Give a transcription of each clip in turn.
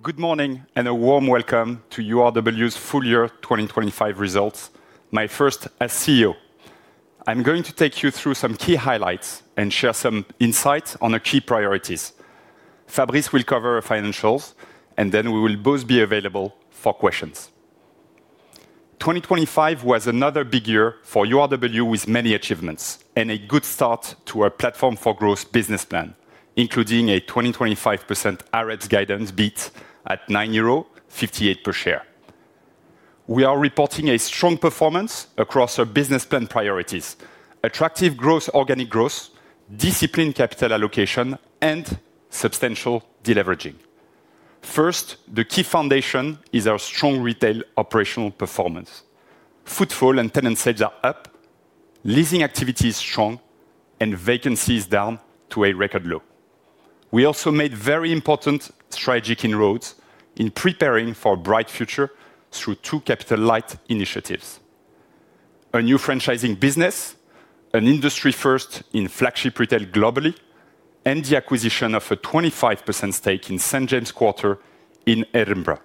Good morning, and a warm welcome to URW's full year 2025 results, my first as CEO. I'm going to take you through some key highlights and share some insights on the key priorities. Fabrice will cover our financials, and then we will both be available for questions. 2025 was another big year for URW, with many achievements and a good start to our Platform for Growth business plan, including a 20.5% AREPS guidance beat at 9.58 euro per share. We are reporting a strong performance across our business plan priorities: attractive growth, organic growth, disciplined capital allocation, and substantial deleveraging. First, the key foundation is our strong retail operational performance. Footfall and tenant sales are up, leasing activity is strong, and vacancy is down to a record low. We also made very important strategic inroads in preparing for a bright future through two capital-light initiatives: a new franchising business, an industry first in flagship retail globally, and the acquisition of a 25% stake in St James Quarter in Edinburgh.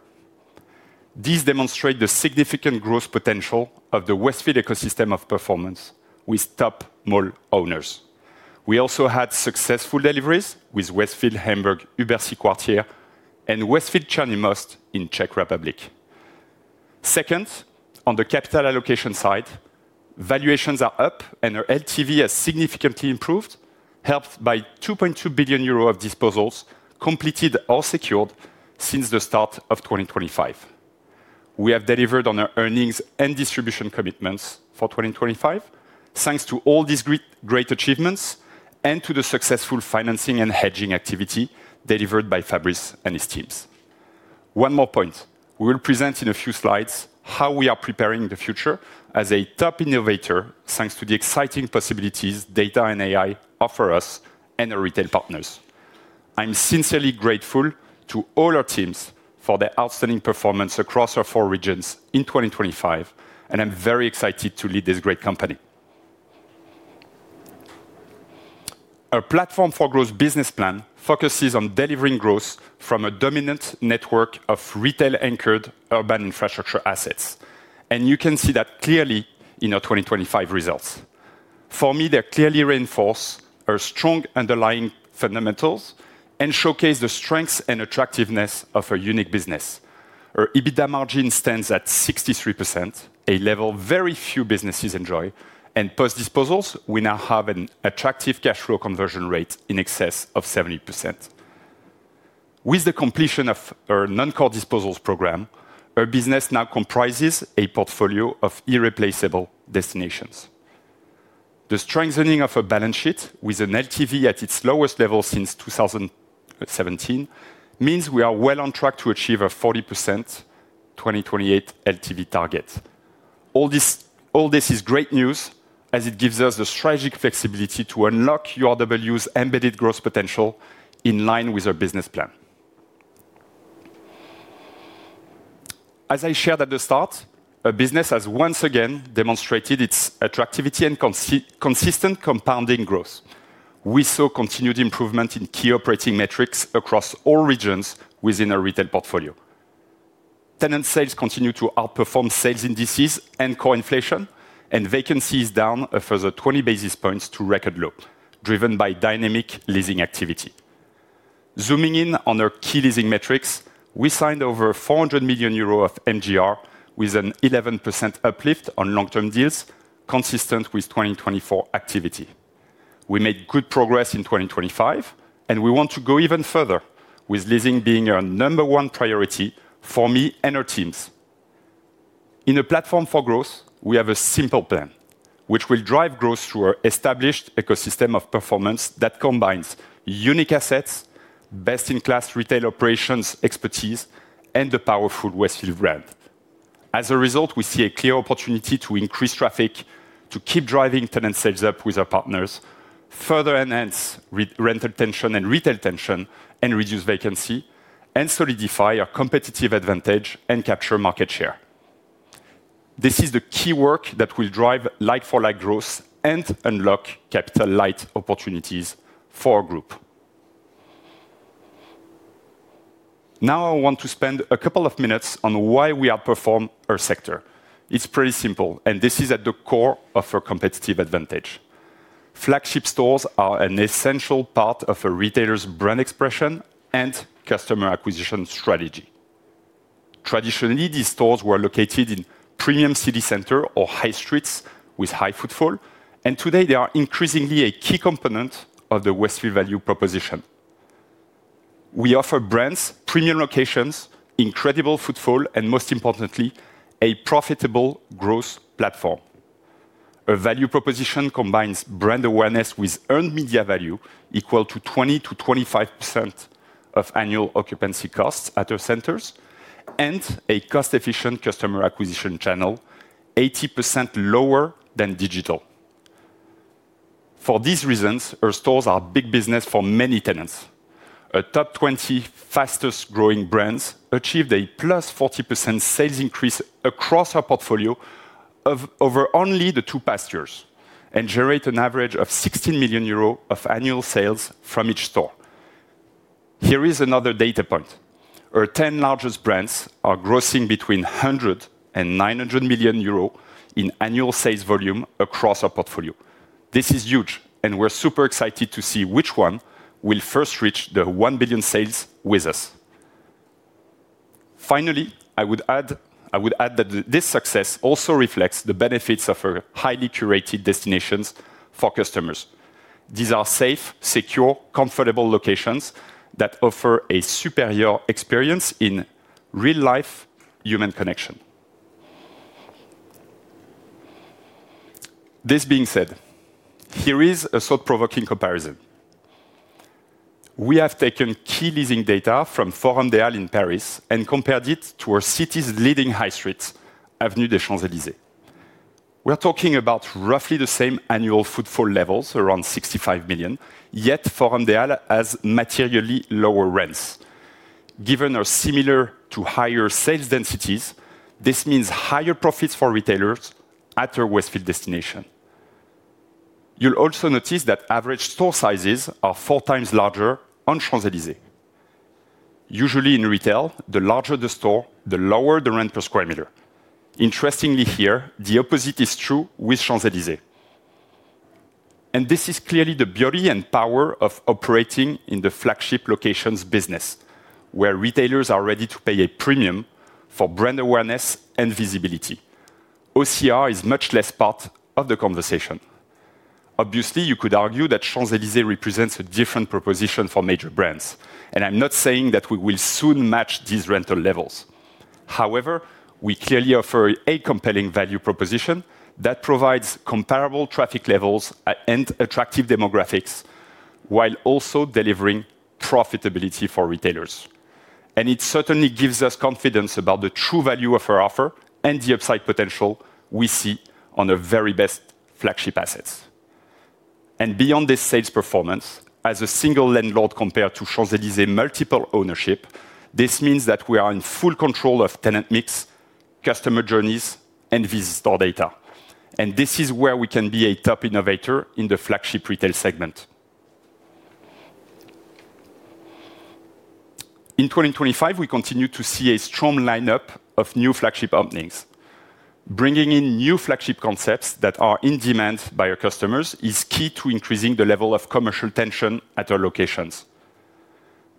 These demonstrate the significant growth potential of the Westfield ecosystem of performance with top mall owners. We also had successful deliveries with Westfield Hamburg Überseequartier, and Westfield Černý Most in Czech Republic. Second, on the capital allocation side, valuations are up and our LTV has significantly improved, helped by 2.2 billion euros of disposals completed or secured since the start of 2025. We have delivered on our earnings and distribution commitments for 2025, thanks to all these great, great achievements and to the successful financing and hedging activity delivered by Fabrice and his teams. One more point. We will present in a few slides how we are preparing the future as a top innovator, thanks to the exciting possibilities data and AI offer us and our retail partners. I'm sincerely grateful to all our teams for their outstanding performance across our four regions in 2025, and I'm very excited to lead this great company. Our Platform for Growth business plan focuses on delivering growth from a dominant network of retail-anchored urban infrastructure assets, and you can see that clearly in our 2025 results. For me, they clearly reinforce our strong underlying fundamentals and showcase the strengths and attractiveness of our unique business. Our EBITDA margin stands at 63%, a level very few businesses enjoy, and post-disposals, we now have an attractive cash flow conversion rate in excess of 70%. With the completion of our non-core disposals program, our business now comprises a portfolio of irreplaceable destinations. The strengthening of our balance sheet, with an LTV at its lowest level since 2017, means we are well on track to achieve a 40%, 2028 LTV target. All this, all this is great news, as it gives us the strategic flexibility to unlock URW's embedded growth potential in line with our business plan. As I shared at the start, our business has once again demonstrated its attractivity and consistent compounding growth. We saw continued improvement in key operating metrics across all regions within our retail portfolio. Tenant sales continue to outperform sales indices and core inflation, and vacancy is down a further 20 basis points to record low, driven by dynamic leasing activity. Zooming in on our key leasing metrics, we signed over 400 million euros of MGR, with an 11% uplift on long-term deals, consistent with 2024 activity. We made good progress in 2025, and we want to go even further with leasing being our number one priority for me and our teams. In a Platform for Growth, we have a simple plan, which will drive growth through our established ecosystem of performance that combines unique assets, best-in-class retail operations expertise, and the powerful Westfield brand. As a result, we see a clear opportunity to increase traffic, to keep driving tenant sales up with our partners, further enhance re-rental retention and retail retention, and reduce vacancy, and solidify our competitive advantage and capture market share. This is the key work that will drive like-for-like growth and unlock capital-light opportunities for our group. Now, I want to spend a couple of minutes on why we outperform our sector. It's pretty simple, and this is at the core of our competitive advantage. Flagship stores are an essential part of a retailer's brand expression and customer acquisition strategy. Traditionally, these stores were located in premium city center or high streets with high footfall, and today they are increasingly a key component of the Westfield value proposition. We offer brands, premium locations, incredible footfall, and most importantly, a profitable growth platform. Our value proposition combines brand awareness with earned media value equal to 20%-25% of annual occupancy costs at our centers, and a cost-efficient customer acquisition channel, 80% lower than digital. For these reasons, our stores are big business for many tenants. Our top 20 fastest-growing brands achieved a +40% sales increase across our portfolio-... of over only the two past years and generate an average of 60 million euros of annual sales from each store. Here is another data point. Our 10 largest brands are grossing between 100 million and 900 million euros in annual sales volume across our portfolio. This is huge, and we're super excited to see which one will first reach the 1 billion sales with us. Finally, I would add, I would add that this success also reflects the benefits of our highly curated destinations for customers. These are safe, secure, comfortable locations that offer a superior experience in real-life human connection. This being said, here is a thought-provoking comparison. We have taken key leasing data from Forum des Halles in Paris and compared it to our city's leading high street, Avenue des Champs-Élysées. We're talking about roughly the same annual footfall levels, around 65 million, yet Forum des Halles has materially lower rents. Given our similar to higher sales densities, this means higher profits for retailers at our Westfield destination. You'll also notice that average store sizes are four times larger on Champs-Élysées. Usually in retail, the larger the store, the lower the rent per square meter. Interestingly, here, the opposite is true with Champs-Élysées, and this is clearly the beauty and power of operating in the flagship locations business, where retailers are ready to pay a premium for brand awareness and visibility. OCR is much less part of the conversation. Obviously, you could argue that Champs-Élysées represents a different proposition for major brands, and I'm not saying that we will soon match these rental levels. However, we clearly offer a compelling value proposition that provides comparable traffic levels and attractive demographics, while also delivering profitability for retailers. It certainly gives us confidence about the true value of our offer and the upside potential we see on our very best flagship assets. Beyond this sales performance, as a single landlord, compared to Champs-Élysées' multiple ownership, this means that we are in full control of tenant mix, customer journeys, and visit store data. This is where we can be a top innovator in the flagship retail segment. In 2025, we continue to see a strong lineup of new flagship openings. Bringing in new flagship concepts that are in demand by our customers is key to increasing the level of commercial tension at our locations.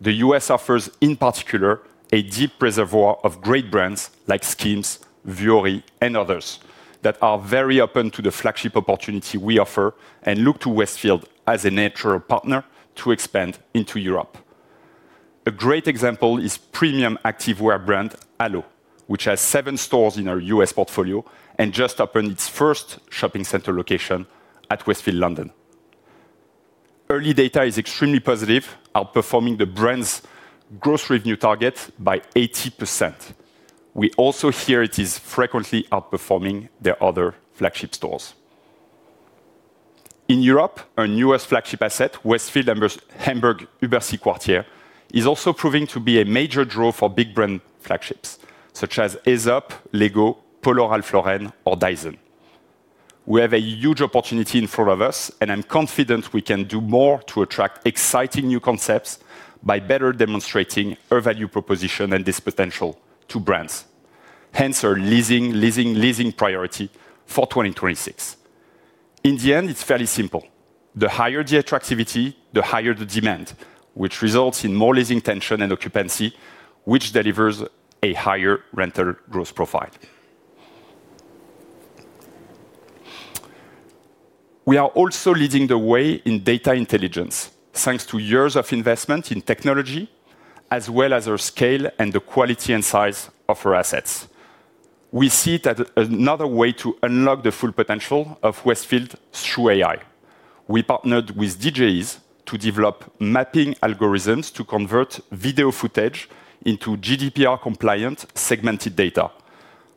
The U.S. offers, in particular, a deep reservoir of great brands like Skims, Vuori, and others, that are very open to the flagship opportunity we offer and look to Westfield as a natural partner to expand into Europe. A great example is premium activewear brand Alo, which has 7 stores in our U.S. portfolio and just opened its first shopping center location at Westfield London. Early data is extremely positive, outperforming the brand's gross revenue target by 80%. We also hear it is frequently outperforming their other flagship stores. In Europe, our newest flagship asset, Westfield Hamburg Überseequartier, is also proving to be a major draw for big brand flagships such as Aesop, LEGO, Polo Ralph Lauren or Dyson. We have a huge opportunity in front of us, and I'm confident we can do more to attract exciting new concepts by better demonstrating our value proposition and this potential to brands, hence our leasing, leasing, leasing priority for 2026. In the end, it's fairly simple: the higher the attractivity, the higher the demand, which results in more leasing tension and occupancy, which delivers a higher rental growth profile. We are also leading the way in data intelligence, thanks to years of investment in technology, as well as our scale and the quality and size of our assets. We see it as another way to unlock the full potential of Westfield through AI. We partnered with Digeiz to develop mapping algorithms to convert video footage into GDPR-compliant segmented data,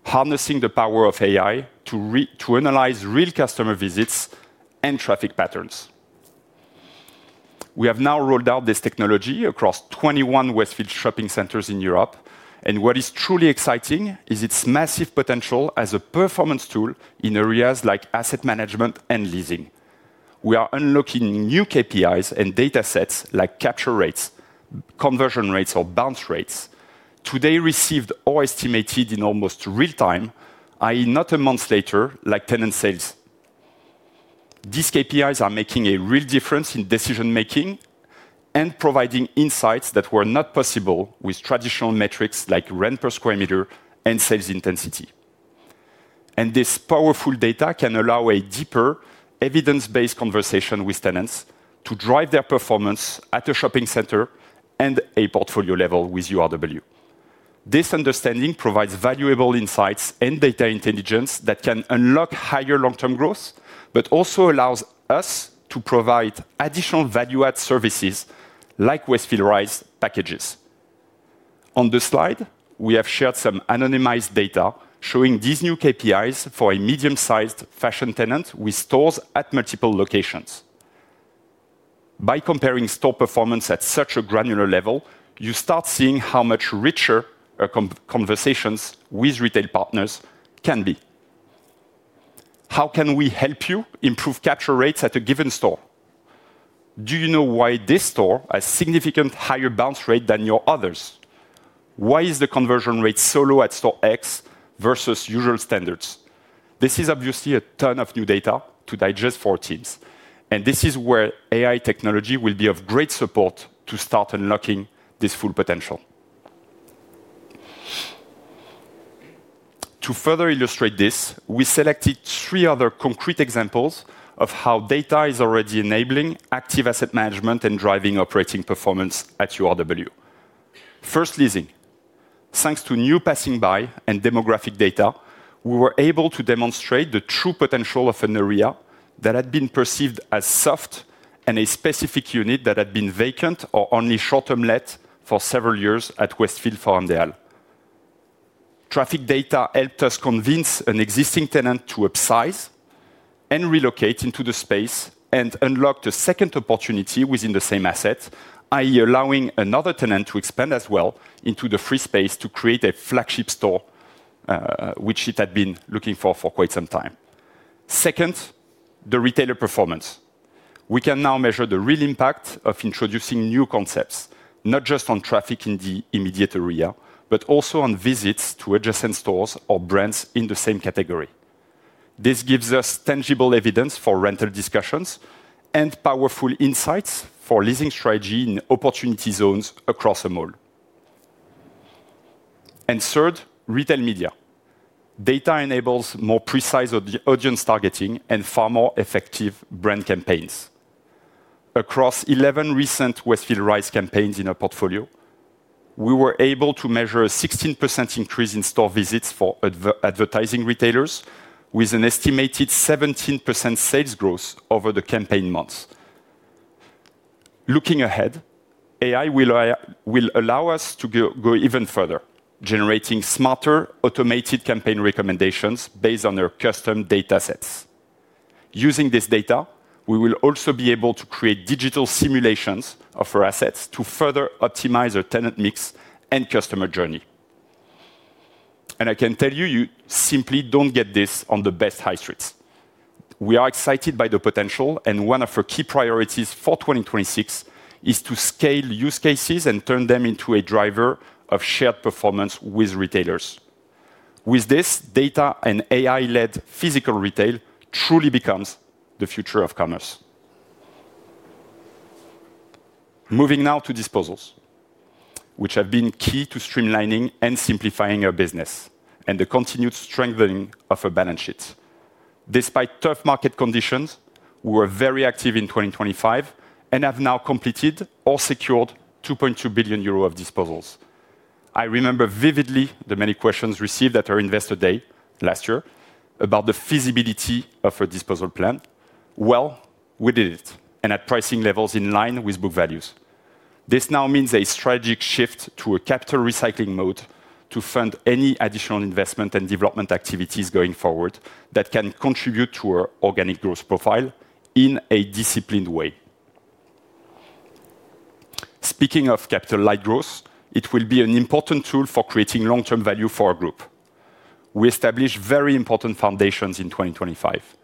harnessing the power of AI to analyze real customer visits and traffic patterns. We have now rolled out this technology across 21 Westfield shopping centers in Europe, and what is truly exciting is its massive potential as a performance tool in areas like asset management and leasing. We are unlocking new KPIs and datasets like capture rates, conversion rates, or bounce rates. Today, received or estimated in almost real time, i.e., not a month later, like tenant sales. These KPIs are making a real difference in decision-making and providing insights that were not possible with traditional metrics like rent per square meter and sales intensity. And this powerful data can allow a deeper evidence-based conversation with tenants to drive their performance at a shopping center and a portfolio level with URW. This understanding provides valuable insights and data intelligence that can unlock higher long-term growth, but also allows us to provide additional value-add services like Westfield Rise packages. On this slide, we have shared some anonymized data showing these new KPIs for a medium-sized fashion tenant with stores at multiple locations. By comparing store performance at such a granular level, you start seeing how much richer conversations with retail partners can be. How can we help you improve capture rates at a given store? Do you know why this store has significant higher bounce rate than your others? Why is the conversion rate so low at store X versus usual standards? This is obviously a ton of new data to digest for our teams, and this is where AI technology will be of great support to start unlocking this full potential. To further illustrate this, we selected three other concrete examples of how data is already enabling active asset management and driving operating performance at URW. First, leasing. Thanks to new passing by and demographic data, we were able to demonstrate the true potential of an area that had been perceived as soft and a specific unit that had been vacant or only short-term let for several years at Westfield Farnborough. Traffic data helped us convince an existing tenant to upsize and relocate into the space and unlock the second opportunity within the same asset, i.e., allowing another tenant to expand as well into the free space to create a flagship store, which it had been looking for for quite some time. Second, the retailer performance. We can now measure the real impact of introducing new concepts, not just on traffic in the immediate area, but also on visits to adjacent stores or brands in the same category. This gives us tangible evidence for rental discussions and powerful insights for leasing strategy in opportunity zones across a mall. And third, retail media. Data enables more precise ad-audience targeting and far more effective brand campaigns. Across 11 recent Westfield Rise campaigns in our portfolio, we were able to measure a 16% increase in store visits for advertising retailers, with an estimated 17% sales growth over the campaign months. Looking ahead, AI will allow us to go even further, generating smarter automated campaign recommendations based on their custom datasets. Using this data, we will also be able to create digital simulations of our assets to further optimize our tenant mix and customer journey. And I can tell you, you simply don't get this on the best high streets. We are excited by the potential, and one of our key priorities for 2026 is to scale use cases and turn them into a driver of shared performance with retailers. With this, data and AI-led physical retail truly becomes the future of commerce. Moving now to disposals, which have been key to streamlining and simplifying our business and the continued strengthening of our balance sheet. Despite tough market conditions, we were very active in 2025 and have now completed or secured 2.2 billion euros of disposals. I remember vividly the many questions received at our Investor Day last year about the feasibility of our disposal plan. Well, we did it, and at pricing levels in line with book values. This now means a strategic shift to a capital recycling mode to fund any additional investment and development activities going forward that can contribute to our organic growth profile in a disciplined way. Speaking of capital-light growth, it will be an important tool for creating long-term value for our group. We established very important foundations in 2025.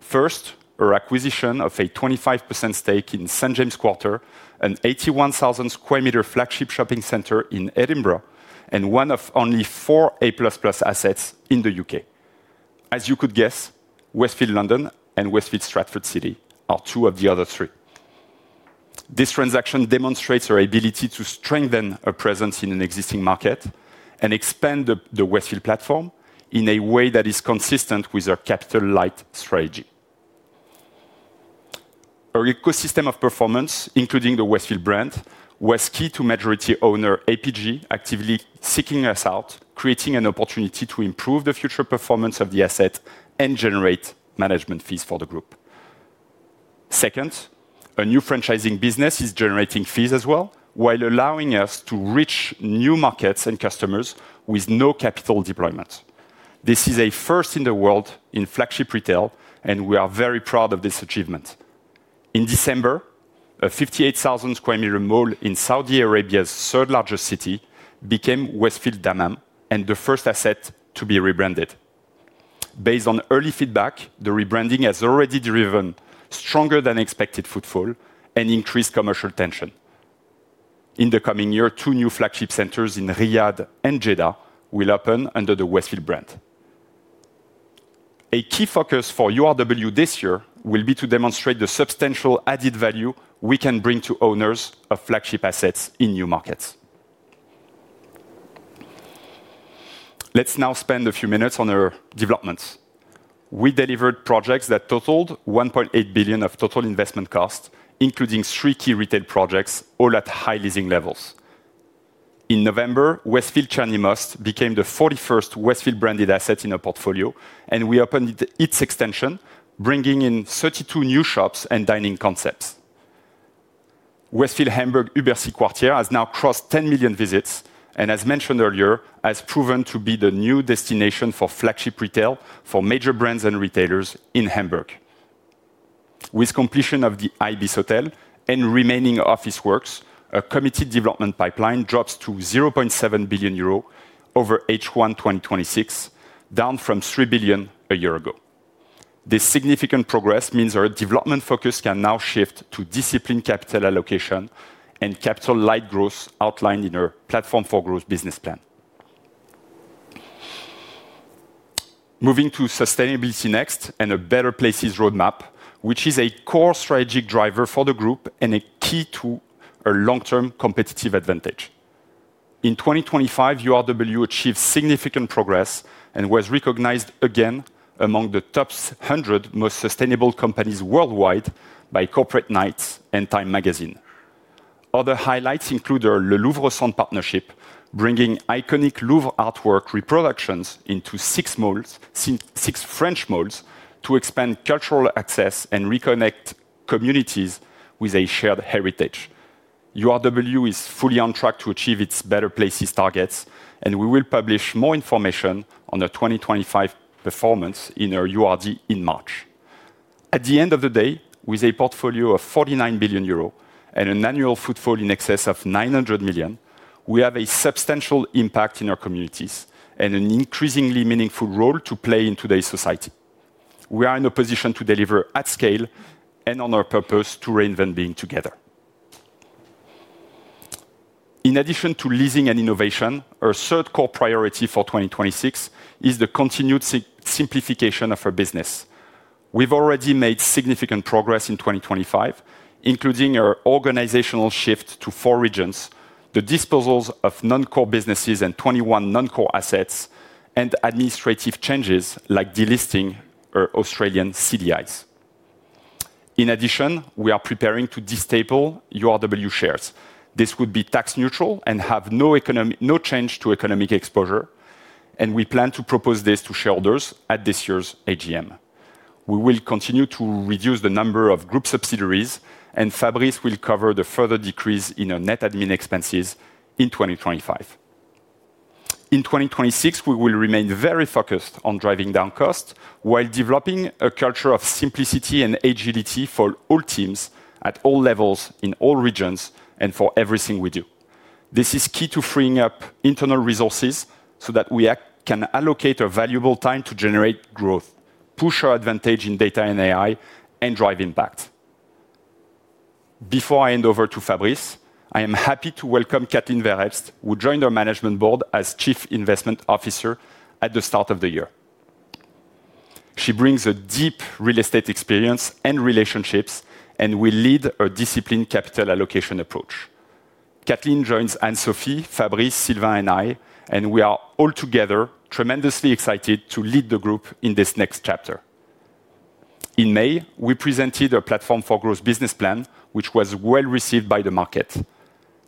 First, our acquisition of a 25% stake in St James Quarter, an 81,000 square meter flagship shopping center in Edinburgh and one of only four A++ assets in the U.K. As you could guess, Westfield London and Westfield Stratford City are two of the other three. This transaction demonstrates our ability to strengthen our presence in an existing market and expand the Westfield platform in a way that is consistent with our capital-light strategy. Our ecosystem of performance, including the Westfield brand, was key to majority owner APG, actively seeking us out, creating an opportunity to improve the future performance of the asset and generate management fees for the group. Second, a new franchising business is generating fees as well, while allowing us to reach new markets and customers with no capital deployment. This is a first in the world in flagship retail, and we are very proud of this achievement. In December, a 58,000 sq m mall in Saudi Arabia's third-largest city became Westfield Dammam and the first asset to be rebranded. Based on early feedback, the rebranding has already driven stronger than expected footfall and increased commercial tension. In the coming year, two new flagship centers in Riyadh and Jeddah will open under the Westfield brand. A key focus for URW this year will be to demonstrate the substantial added value we can bring to owners of flagship assets in new markets. Let's now spend a few minutes on our developments. We delivered projects that totaled 1.8 billion of total investment cost, including three key retail projects, all at high leasing levels. In November, Westfield Černý Most became the 41st Westfield branded asset in our portfolio, and we opened its extension, bringing in 32 new shops and dining concepts. Westfield Hamburg Überseequartier has now crossed 10 million visits, and as mentioned earlier, has proven to be the new destination for flagship retail for major brands and retailers in Hamburg. With completion of the Ibis Hotel and remaining office works, our committed development pipeline drops to 0.7 billion euro over H1 2026, down from 3 billion a year ago. This significant progress means our development focus can now shift to disciplined capital allocation and capital-light growth outlined in our Platform for Growth business plan. Moving to sustainability next, and a Better Places roadmap, which is a core strategic driver for the group and a key to our long-term competitive advantage. In 2025, URW achieved significant progress and was recognized again among the top 100 most sustainable companies worldwide by Corporate Knights and Time Magazine. Other highlights include our Le Louvre-Lens partnership, bringing iconic Louvre artwork reproductions into six French malls, to expand cultural access and reconnect communities with a shared heritage. URW is fully on track to achieve its Better Places targets, and we will publish more information on the 2025 performance in our URD in March. At the end of the day, with a portfolio of 49 billion euros and an annual footfall in excess of 900 million, we have a substantial impact in our communities and an increasingly meaningful role to play in today's society. We are in a position to deliver at scale and on our purpose to reinvent being together. In addition to leasing and innovation, our third core priority for 2026 is the continued simplification of our business. We've already made significant progress in 2025, including our organizational shift to four regions, the disposals of non-core businesses and 21 non-core assets, and administrative changes like delisting our Australian CDIs. In addition, we are preparing to destaple URW shares. This would be tax neutral and have no economic, no change to economic exposure, and we plan to propose this to shareholders at this year's AGM. We will continue to reduce the number of group subsidiaries, and Fabrice will cover the further decrease in our net admin expenses in 2025. In 2026, we will remain very focused on driving down costs while developing a culture of simplicity and agility for all teams, at all levels, in all regions, and for everything we do. This is key to freeing up internal resources so that we can allocate our valuable time to generate growth, push our advantage in data and AI, and drive impact. Before I hand over to Fabrice, I am happy to welcome Kathleen Verhelst, who joined our management board as Chief Investment Officer at the start of the year. She brings a deep real estate experience and relationships and will lead our disciplined capital allocation approach. Kathleen joins Anne-Sophie, Fabrice, Sylvain, and I, and we are all together tremendously excited to lead the group in this next chapter. In May, we presented a Platform for Growth business plan, which was well received by the market.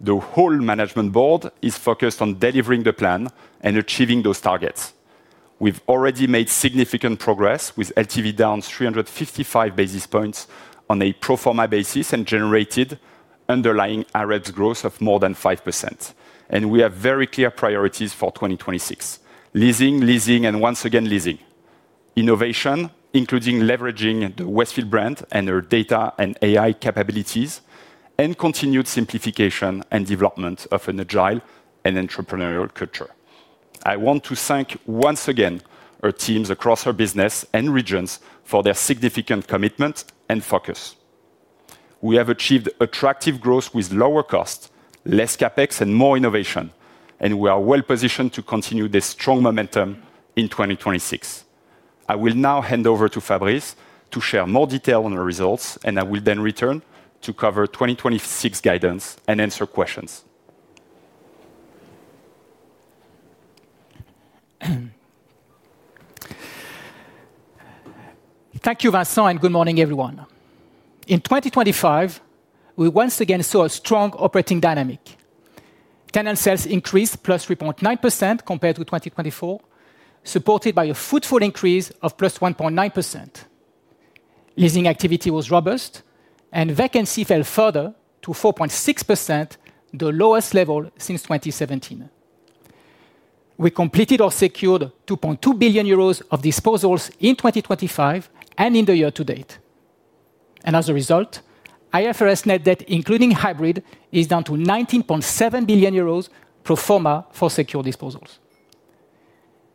The whole management board is focused on delivering the plan and achieving those targets. We've already made significant progress, with LTV down 355 basis points on a pro forma basis and generated underlying AREPS growth of more than 5%. We have very clear priorities for 2026: leasing, leasing, and once again, leasing. Innovation, including leveraging the Westfield brand and our data and AI capabilities, and continued simplification and development of an agile and entrepreneurial culture. I want to thank once again our teams across our business and regions for their significant commitment and focus. We have achieved attractive growth with lower costs, less CapEx, and more innovation, and we are well positioned to continue this strong momentum in 2026. I will now hand over to Fabrice to share more detail on the results, and I will then return to cover 2026 guidance and answer questions. Thank you, Vincent, and good morning, everyone. In 2025, we once again saw a strong operating dynamic. Tenant sales increased +3.9% compared to 2024, supported by a footfall increase of +1.9%. Leasing activity was robust, and vacancy fell further to 4.6%, the lowest level since 2017. We completed or secured 2.2 billion euros of disposals in 2025 and in the year to date. And as a result, IFRS net debt, including hybrid, is down to 19.7 billion euros pro forma for secure disposals.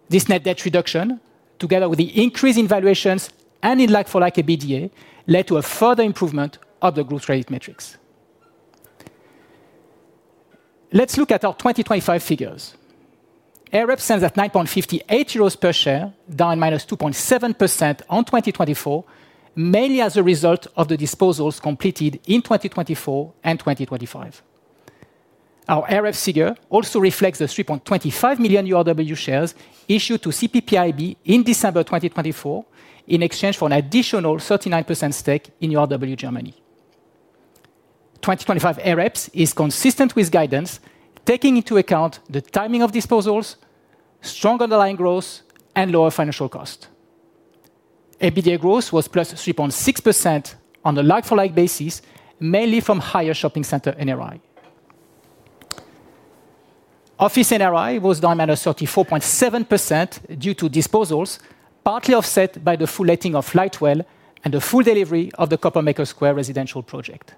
This net debt reduction, together with the increase in valuations and in like-for-like EBITDA, led to a further improvement of the growth rate metrics. Let's look at our 2025 figures. AREPS stands at 9.58 euros per share, down -2.7% on 2024, mainly as a result of the disposals completed in 2024 and 2025. Our AREPS figure also reflects the 3.25 million URW shares issued to CPPIB in December 2024, in exchange for an additional 39% stake in URW Germany. 2025 AREPS is consistent with guidance, taking into account the timing of disposals, strong underlying growth, and lower financial cost. EBITDA growth was +3.6% on a like-for-like basis, mainly from higher shopping center NRI. Office NRI was down -34.7% due to disposals, partly offset by the full letting of Lightwell and the full delivery of the Coppermaker Square residential project.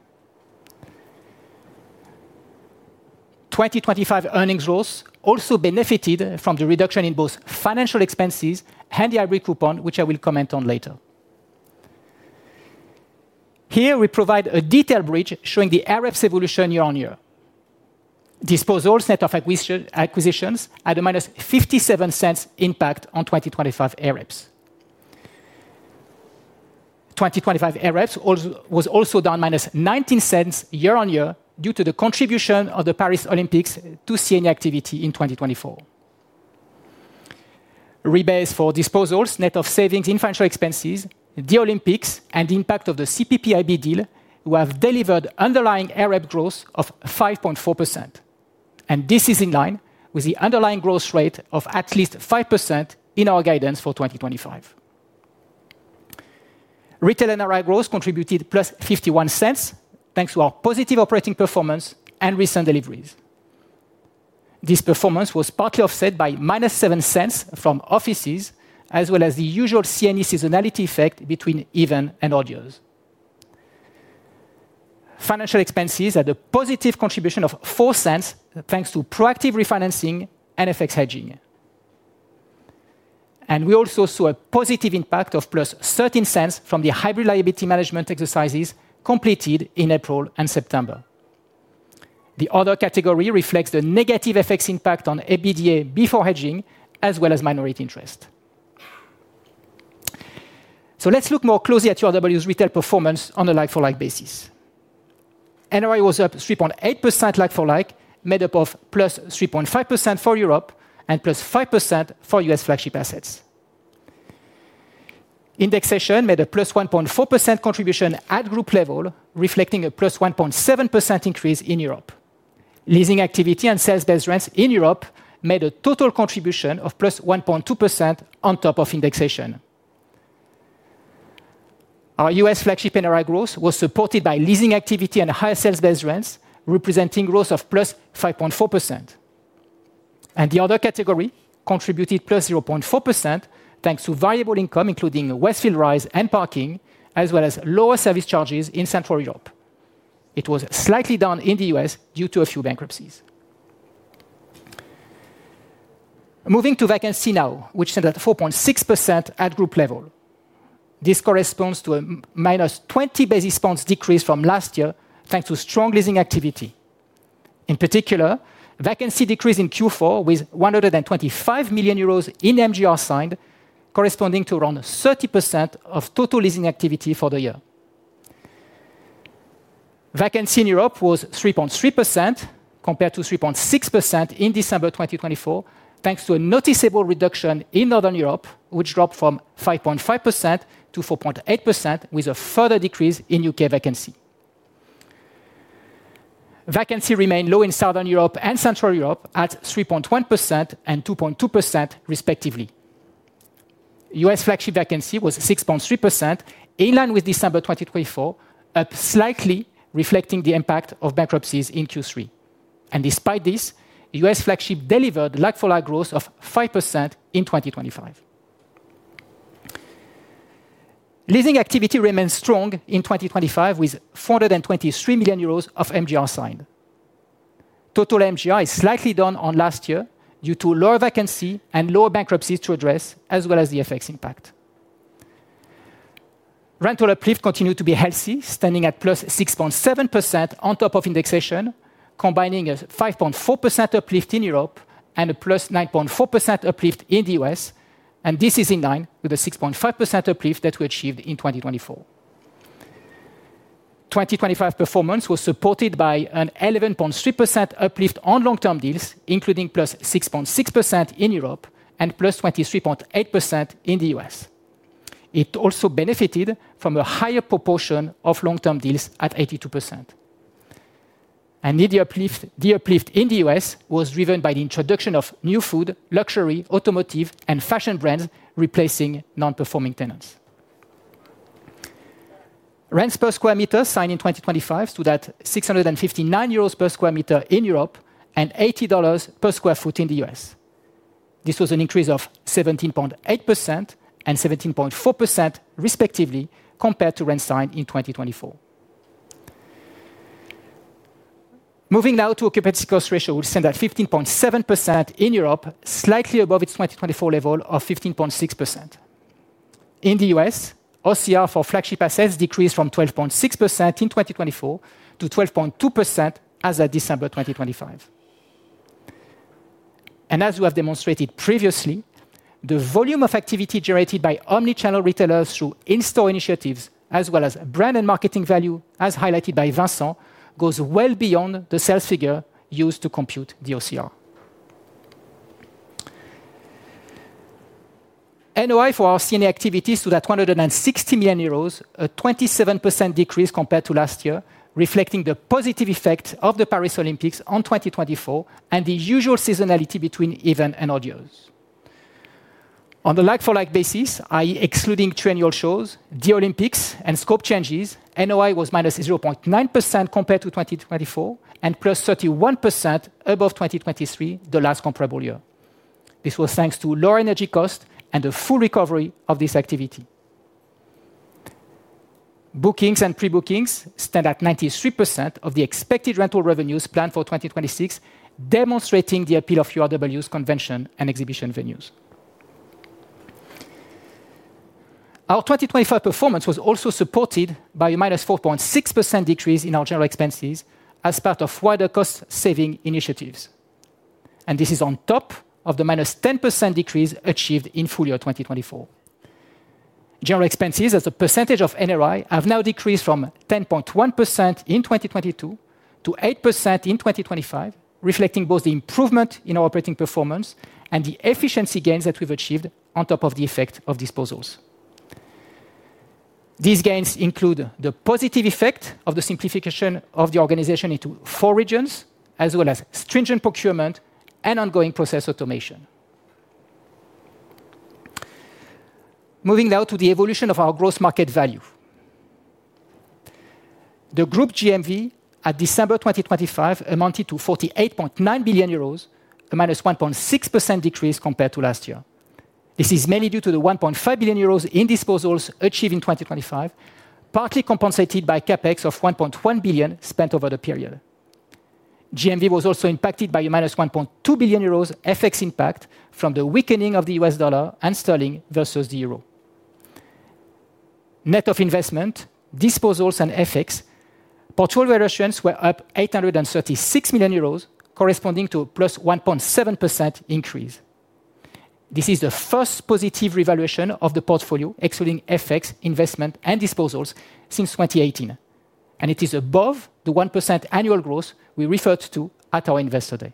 2025 earnings growth also benefited from the reduction in both financial expenses and the hybrid coupon, which I will comment on later. Here we provide a detailed bridge showing the AREPS evolution year-on-year. Disposals and acquisitions had a -0.57 impact on 2025 AREPS. 2025 AREPS was also down -0.19 year-on-year due to the contribution of the Paris Olympics to C&E activity in 2024. Rebased for disposals, net of savings in financial expenses, the Olympics, and the impact of the CPPIB deal, which have delivered underlying AREPS growth of 5.4%. And this is in line with the underlying growth rate of at least 5% in our guidance for 2025. Retail NRI growth contributed +0.51, thanks to our positive operating performance and recent deliveries. This performance was partly offset by -0.07 from offices, as well as the usual C&E seasonality effect between even and odd years. Financial expenses had a positive contribution of +0.04, thanks to proactive refinancing and FX hedging. We also saw a positive impact of +0.13 from the hybrid liability management exercises completed in April and September. The other category reflects the negative effect's impact on EBITDA before hedging, as well as minority interest. Let's look more closely at URW's retail performance on a like-for-like basis. NRI was up 3.8% like-for-like, made up of +3.5% for Europe and +5% for U.S. flagship assets. Indexation made a +1.4% contribution at group level, reflecting a +1.7% increase in Europe. Leasing activity and sales-based rents in Europe made a total contribution of +1.2% on top of indexation. Our U.S. flagship NRI growth was supported by leasing activity and higher sales-based rents, representing growth of +5.4%. And the other category contributed +0.4%, thanks to variable income, including Westfield Rise and parking, as well as lower service charges in Central Europe. It was slightly down in the U.S. due to a few bankruptcies. Moving to vacancy now, which stood at 4.6% at group level. This corresponds to a -20 basis points decrease from last year, thanks to strong leasing activity. In particular, vacancy decreased in Q4, with 125 million euros in MGR signed, corresponding to around 30% of total leasing activity for the year. Vacancy in Europe was 3.3%, compared to 3.6% in December 2024, thanks to a noticeable reduction in Northern Europe, which dropped from 5.5% to 4.8%, with a further decrease in U.K. vacancy. Vacancy remained low in Southern Europe and Central Europe at 3.1% and 2.2%, respectively. U.S. flagship vacancy was 6.3%, in line with December 2024, up slightly, reflecting the impact of bankruptcies in Q3. And despite this, U.S. flagship delivered like-for-like growth of 5% in 2025. Leasing activity remains strong in 2025, with 423 million euros of MGR signed. Total MGR is slightly down on last year due to lower vacancy and lower bankruptcies to address, as well as the FX impact. Rental uplift continued to be healthy, standing at +6.7% on top of indexation, combining a 5.4% uplift in Europe and a +9.4% uplift in the U.S., and this is in line with the 6.5% uplift that we achieved in 2024. 2025 performance was supported by an 11.3% uplift on long-term deals, including +6.6% in Europe and +23.8% in the U.S. It also benefited from a higher proportion of long-term deals at 82%. The uplift, the uplift in the U.S. was driven by the introduction of new food, luxury, automotive, and fashion brands, replacing non-performing tenants. Rents per sq m signed in 2025 stood at 659 euros per sq m in Europe and $80 per sq ft in the U.S. This was an increase of 17.8% and 17.4%, respectively, compared to rent signed in 2024. Moving now to occupancy cost ratio, which stand at 15.7% in Europe, slightly above its 2024 level of 15.6%. In the U.S., OCR for flagship assets decreased from 12.6% in 2024 to 12.2% as at December 2025. As we have demonstrated previously, the volume of activity generated by omni-channel retailers through in-store initiatives, as well as brand and marketing value, as highlighted by Vincent, goes well beyond the sales figure used to compute the OCR. NOI for our C&E activities stood at 260 million euros, a 27% decrease compared to last year, reflecting the positive effect of the Paris Olympics on 2024 and the usual seasonality between even and odd years. On the like-for-like basis, i.e., excluding triennial shows, the Olympics, and scope changes, NOI was -0.9% compared to 2024, and +31% above 2023, the last comparable year. This was thanks to lower energy costs and a full recovery of this activity. Bookings and pre-bookings stand at 93% of the expected rental revenues planned for 2026, demonstrating the appeal of URW's convention & exhibition venues. Our 2025 performance was also supported by a -4.6% decrease in our general expenses as part of wider cost-saving initiatives, and this is on top of the -10% decrease achieved in full year 2024. General expenses, as a percentage of NOI, have now decreased from 10.1% in 2022 to 8% in 2025, reflecting both the improvement in our operating performance and the efficiency gains that we've achieved on top of the effect of disposals. These gains include the positive effect of the simplification of the organization into four regions, as well as stringent procurement and ongoing process automation. Moving now to the evolution of our gross market value. The group GMV at December 2025 amounted to 48.9 billion euros, a -1.6% decrease compared to last year. This is mainly due to the 1.5 billion euros in disposals achieved in 2025, partly compensated by CapEx of 1.1 billion spent over the period. GMV was also impacted by a -1.2 billion euros FX impact from the weakening of the U.S. dollar and sterling versus the euro. Net of investment, disposals, and FX, portfolio revaluations were up 836 million euros, corresponding to a +1.7% increase. This is the first positive revaluation of the portfolio, excluding FX, investment, and disposals, since 2018, and it is above the 1% annual growth we referred to at our Investor Day.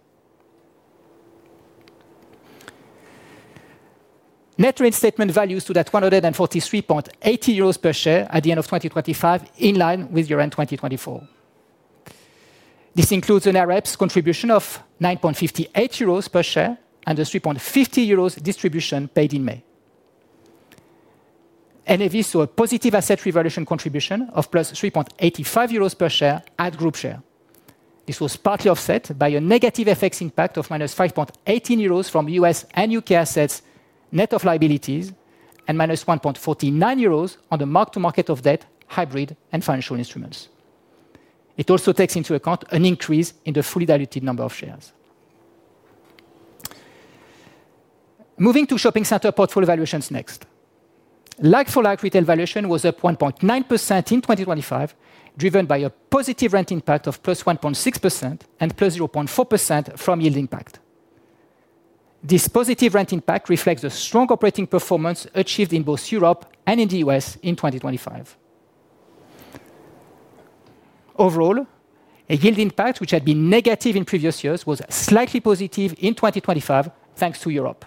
Net reinstatement values stood at 143.80 euros per share at the end of 2025, in line with year-end 2024. This includes an AREPS contribution of 9.58 euros per share and a 3.50 euros distribution paid in May. NAV saw a positive asset revaluation contribution of +3.85 euros per share at group share. This was partly offset by a negative FX impact of -5.18 euros from U.S. and U.K. assets, net of liabilities, and -1.49 euros on the mark-to-market of debt, hybrid, and financial instruments. It also takes into account an increase in the fully diluted number of shares. Moving to shopping center portfolio valuations next. Like-for-like retail valuation was up 1.9% in 2025, driven by a positive rent impact of +1.6% and +0.4% from yield impact. This positive rent impact reflects the strong operating performance achieved in both Europe and in the U.S. in 2025. Overall, a yield impact, which had been negative in previous years, was slightly positive in 2025, thanks to Europe,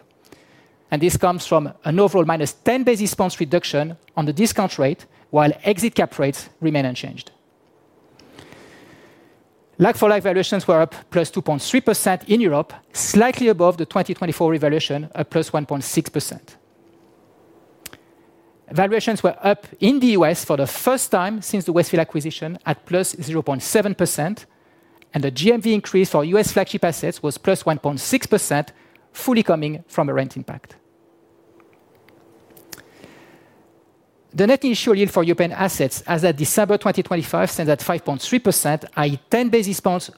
and this comes from an overall -10 basis points reduction on the discount rate, while exit cap rates remain unchanged. Like-for-like valuations were up +2.3% in Europe, slightly above the 2024 revaluation, at +1.6%. Valuations were up in the U.S. for the first time since the Westfield acquisition, at +0.7%, and the GMV increase for U.S. flagship assets was +1.6%, fully coming from a rent impact. The net initial yield for European assets as at December 2025 stands at 5.3%, i.e., 10 basis points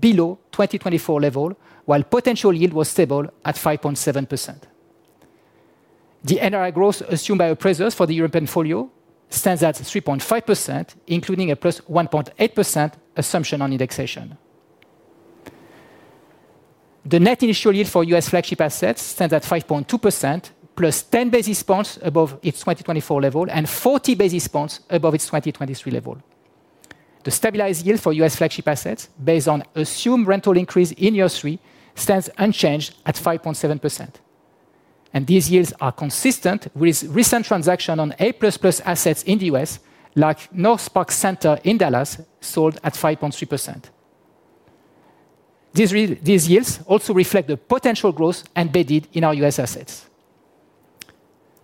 below 2024 level, while potential yield was stable at 5.7%. The NOI growth assumed by appraisers for the European portfolio stands at 3.5%, including a +1.8% assumption on indexation. The net initial yield for U.S. flagship assets stands at 5.2%, +10 basis points above its 2024 level and 40 basis points above its 2023 level. The stabilized yield for U.S. flagship assets, based on assumed rental increase in year three, stands unchanged at 5.7%, and these yields are consistent with recent transaction on A++ assets in the U.S., like NorthPark Center in Dallas, sold at 5.3%. These yields also reflect the potential growth embedded in our U.S. assets.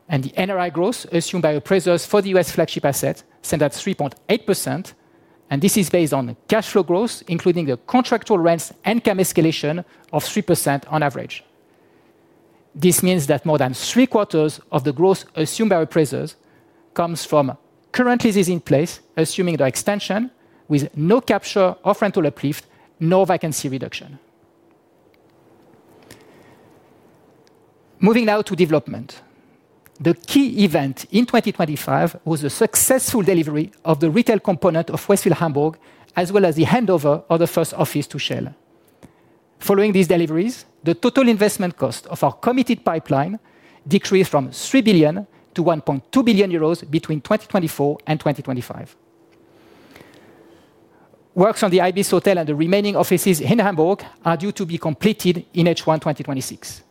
The NOI growth assumed by appraisers for the U.S. flagship assets stand at 3.8%, and this is based on cash flow growth, including the contractual rents and CAM escalation of 3% on average. This means that more than three-quarters of the growth assumed by appraisers comes from current leases in place, assuming the extension, with no capture of rental uplift, nor vacancy reduction. Moving now to development. The key event in 2025 was the successful delivery of the retail component of Westfield Hamburg, as well as the handover of the first office to Shell. Following these deliveries, the total investment cost of our committed pipeline decreased from 3 billion to 1.2 billion euros between 2024 and 2025. Works on the Ibis Hotel and the remaining offices in Hamburg are due to be completed in H1 2026,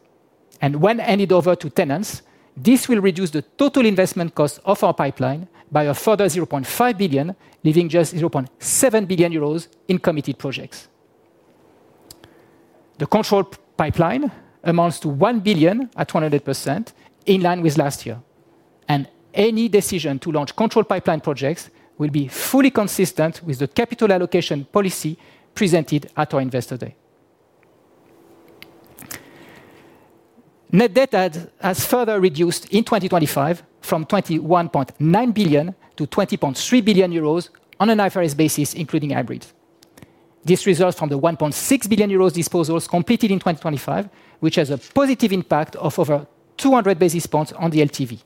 and when handed over to tenants, this will reduce the total investment cost of our pipeline by a further 0.5 billion, leaving just 0.7 billion euros in committed projects. The control pipeline amounts to 1 billion at 200%, in line with last year. Any decision to launch control pipeline projects will be fully consistent with the capital allocation policy presented at our Investor Day. Net debt has further reduced in 2025 from 21.9 billion to 20.3 billion euros on an IFRS basis, including hybrid. This results from the 1.6 billion euros disposals completed in 2025, which has a positive impact of over 200 basis points on the LTV.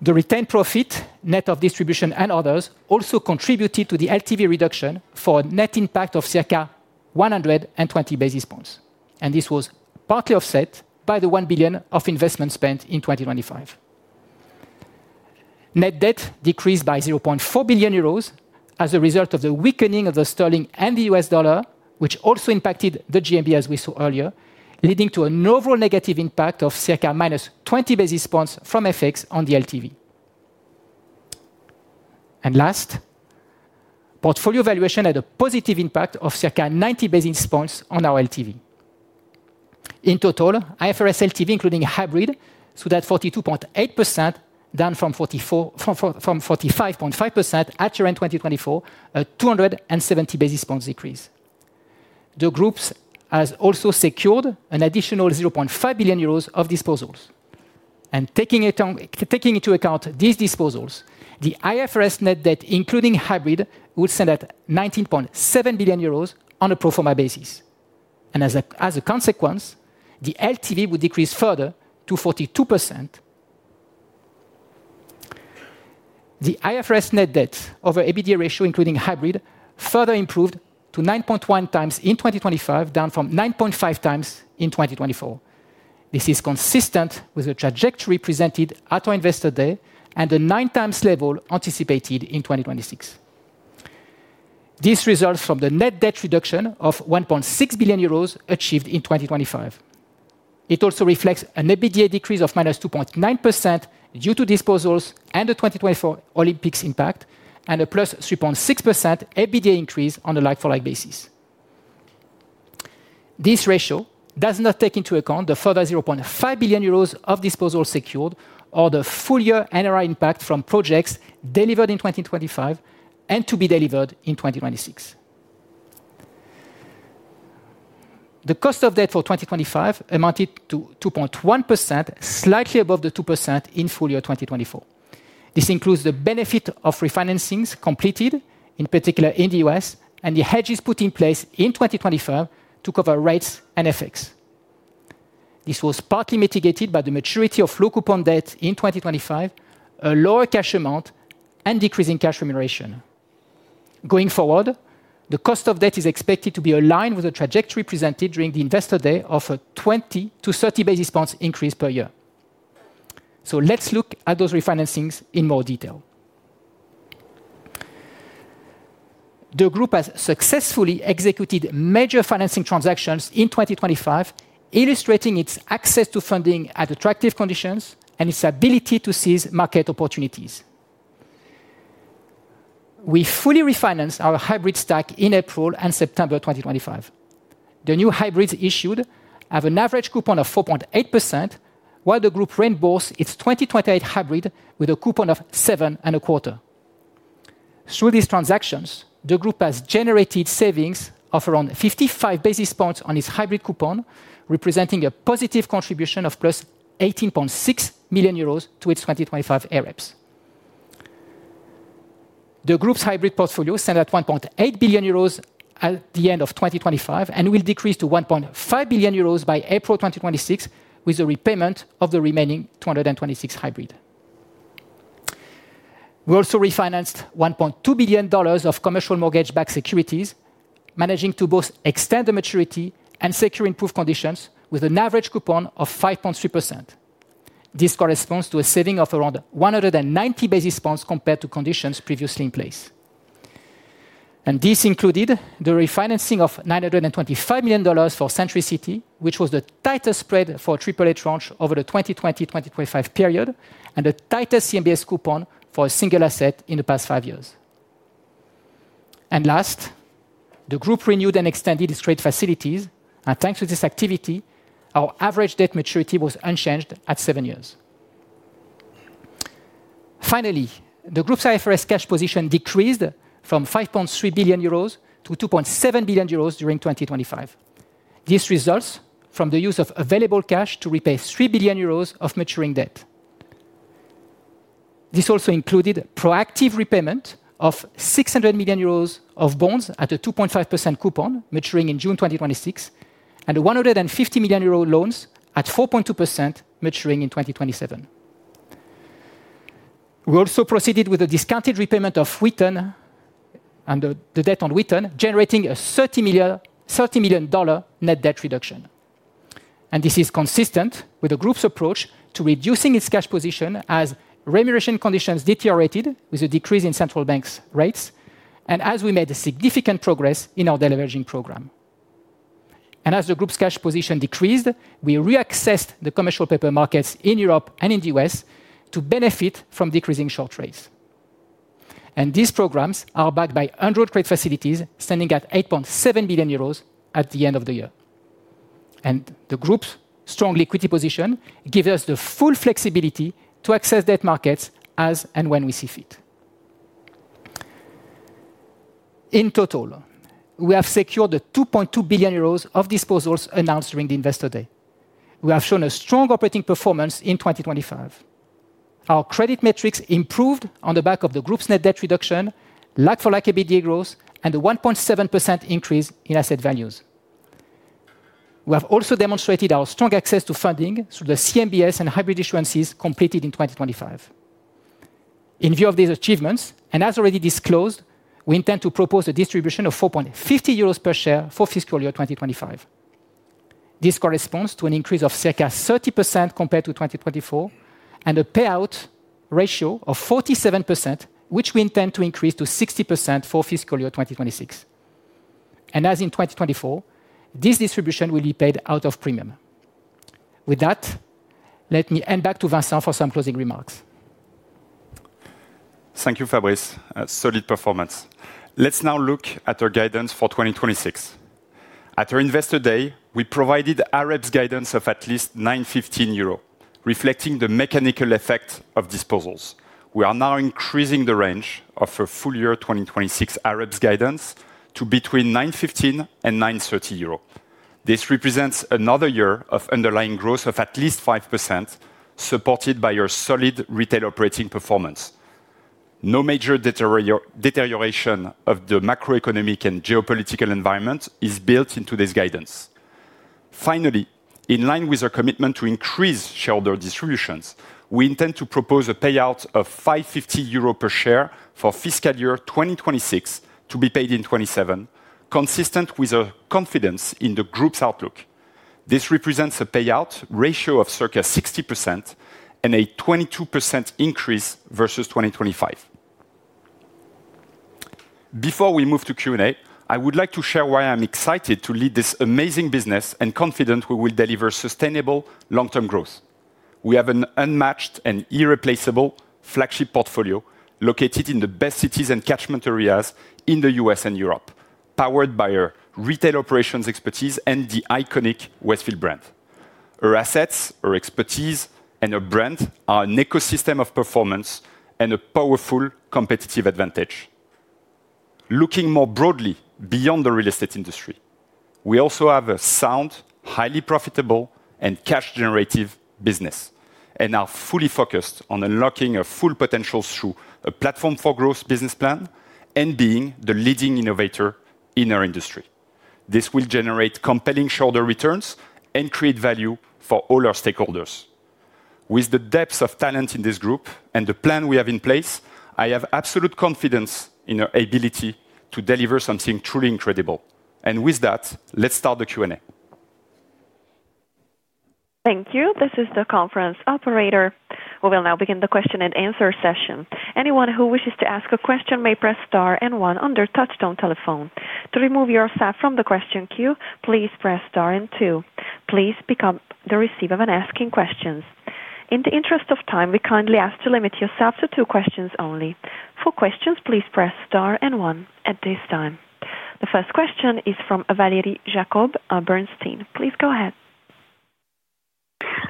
The retained profit, net of distribution and others, also contributed to the LTV reduction for a net impact of circa 120 basis points, and this was partly offset by the 1 billion of investment spent in 2025. Net debt decreased by 0.4 billion euros as a result of the weakening of the sterling and the U.S. dollar, which also impacted the GMV, as we saw earlier, leading to an overall negative impact of circa -20 basis points from FX on the LTV. Last, portfolio valuation had a positive impact of circa 90 basis points on our LTV. In total, IFRS LTV, including hybrid, stood at 42.8%, down from 45.5% at year-end 2024, a 270 basis points decrease. The group has also secured an additional 0.5 billion euros of disposals. Taking into account these disposals, the IFRS net debt, including hybrid, would stand at 19.7 billion euros on a pro forma basis, and as a consequence, the LTV would decrease further to 42%. The IFRS net debt over EBITDA ratio, including hybrid, further improved to 9.1x in 2025, down from 9.5x in 2024. This is consistent with the trajectory presented at our Investor Day and a 9x level anticipated in 2026. This results from the net debt reduction of 1.6 billion euros achieved in 2025. It also reflects an EBITDA decrease of -2.9% due to disposals and the 2024 Olympics impact, and a +3.6% EBITDA increase on a like-for-like basis. This ratio does not take into account the further 0.5 billion euros of disposals secured or the full-year NRI impact from projects delivered in 2025 and to be delivered in 2026. The cost of debt for 2025 amounted to 2.1%, slightly above the 2% in full year 2024. This includes the benefit of refinancings completed, in particular in the U.S., and the hedges put in place in 2025 to cover rates and FX. This was partly mitigated by the maturity of low-coupon debt in 2025, a lower cash amount, and decrease in cash remuneration. Going forward, the cost of debt is expected to be aligned with the trajectory presented during the Investor Day of a 20-30 basis points increase per year. So let's look at those refinancings in more detail. The group has successfully executed major financing transactions in 2025, illustrating its access to funding at attractive conditions and its ability to seize market opportunities. We fully refinanced our hybrid stack in April and September 2025. The new hybrids issued have an average coupon of 4.8%, while the group reimbursed its 2028 hybrid with a coupon of 7.25. Through these transactions, the group has generated savings of around 55 basis points on its hybrid coupon, representing a positive contribution of +18.6 million euros to its 2025 AREPS. The group's hybrid portfolio stands at 1.8 billion euros at the end of 2025, and will decrease to 1.5 billion euros by April 2026, with the repayment of the remaining 2026 hybrid. We also refinanced $1.2 billion of commercial mortgage-backed securities, managing to both extend the maturity and secure improved conditions with an average coupon of 5.3%. This corresponds to a saving of around 190 basis points compared to conditions previously in place. And this included the refinancing of $925 million for Century City, which was the tighter spread for Triple A tranche over the 2020-2025 period, and the tighter CMBS coupon for a single asset in the past 5 years. Last, the group renewed and extended its trade facilities, and thanks to this activity, our average debt maturity was unchanged at 7 years. Finally, the group's IFRS cash position decreased from 5.3 billion euros to 2.7 billion euros during 2025. This results from the use of available cash to repay 3 billion euros of maturing debt. This also included proactive repayment of 600 million euros of bonds at a 2.5% coupon, maturing in June 2026, and 150 million euro loans at 4.2%, maturing in 2027. We also proceeded with the discounted repayment of Westfield Wheaton and the debt on Westfield Wheaton, generating a $30 million net debt reduction. This is consistent with the group's approach to reducing its cash position as remuneration conditions deteriorated with a decrease in central banks' rates and as we made a significant progress in our deleveraging program. As the group's cash position decreased, we reaccessed the commercial paper markets in Europe and in the U.S. to benefit from decreasing short rates. These programs are backed by undrawn trade facilities, standing at 8.7 billion euros at the end of the year. The group's strong liquidity position gives us the full flexibility to access debt markets as and when we see fit. In total, we have secured 2.2 billion euros of disposals announced during the Investor Day. We have shown a strong operating performance in 2025. Our credit metrics improved on the back of the group's net debt reduction, like-for-like EBITDA growth, and a 1.7% increase in asset values. We have also demonstrated our strong access to funding through the CMBS and hybrid issuances completed in 2025. In view of these achievements, and as already disclosed, we intend to propose a distribution of 4.50 euros per share for fiscal year 2025. This corresponds to an increase of circa 30% compared to 2024, and a payout ratio of 47%, which we intend to increase to 60% for fiscal year 2026. And as in 2024, this distribution will be paid out of premium. With that, let me hand back to Vincent for some closing remarks. Thank you, Fabrice. Solid performance. Let's now look at our guidance for 2026. At our Investor Day, we provided AREPS guidance of at least 9.15 euros, reflecting the mechanical effect of disposals. We are now increasing the range of a full year 2026 AREPS guidance to between 9.15 and 9.30 euro. This represents another year of underlying growth of at least 5%, supported by your solid retail operating performance. No major deterioration of the macroeconomic and geopolitical environment is built into this guidance. Finally, in line with our commitment to increase shareholder distributions, we intend to propose a payout of 5.50 euros per share for fiscal year 2026, to be paid in 2027, consistent with a confidence in the group's outlook. This represents a payout ratio of circa 60% and a 22% increase versus 2025. Before we move to Q&A, I would like to share why I'm excited to lead this amazing business and confident we will deliver sustainable long-term growth. We have an unmatched and irreplaceable flagship portfolio located in the best cities and catchment areas in the U.S. and Europe, powered by our retail operations expertise and the iconic Westfield brand. Our assets, our expertise, and our brand are an ecosystem of performance and a powerful competitive advantage. Looking more broadly beyond the real estate industry, we also have a sound, highly profitable, and cash-generative business, and are fully focused on unlocking our full potential through a Platform for Growth business plan and being the leading innovator in our industry. This will generate compelling shareholder returns and create value for all our stakeholders. With the depth of talent in this group and the plan we have in place, I have absolute confidence in our ability to deliver something truly incredible. With that, let's start the Q&A. Thank you. This is the conference operator. We will now begin the question-and-answer session. Anyone who wishes to ask a question may press star and one on their touchtone telephone. To remove yourself from the question queue, please press star and two. Please pick up the receiver when asking questions. In the interest of time, we kindly ask to limit yourself to two questions only. For questions, please press star and one at this time. The first question is from Valérie Jacob, Bernstein. Please go ahead.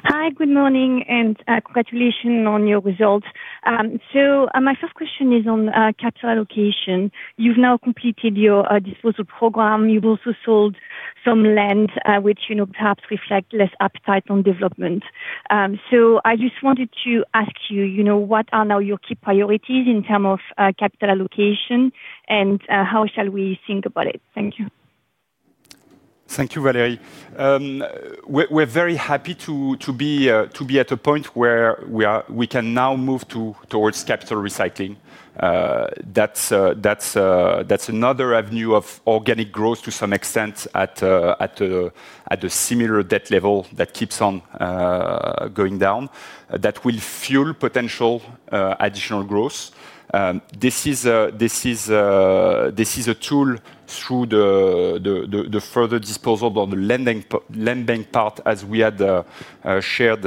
Hi, good morning, and congratulations on your results. So, my first question is on capital allocation. You've now completed your disposal program. You've also sold some land, which, you know, perhaps reflect less appetite on development. So I just wanted to ask you, you know, what are now your key priorities in term of capital allocation, and how shall we think about it? Thank you. Thank you, Valérie. We're very happy to be at a point where we can now move towards capital recycling. That's another avenue of organic growth to some extent at a similar debt level that keeps on going down, that will fuel potential additional growth. This is a tool through the further disposal of the non-lending part, as we had shared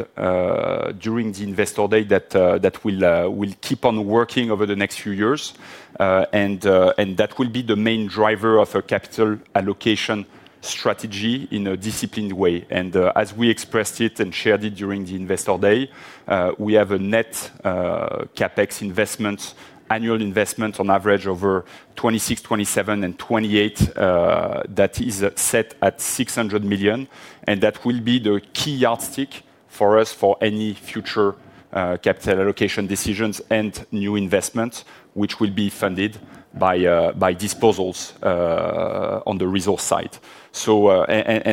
during the Investor Day, that will keep on working over the next few years. And that will be the main driver of a capital allocation strategy in a disciplined way. As we expressed it and shared it during the Investor Day, we have a net CapEx investment, annual investment, on average over 2026, 2027 and 2028, that is set at 600 million, and that will be the key yardstick for us for any future capital allocation decisions and new investments, which will be funded by by disposals on the resource side. So,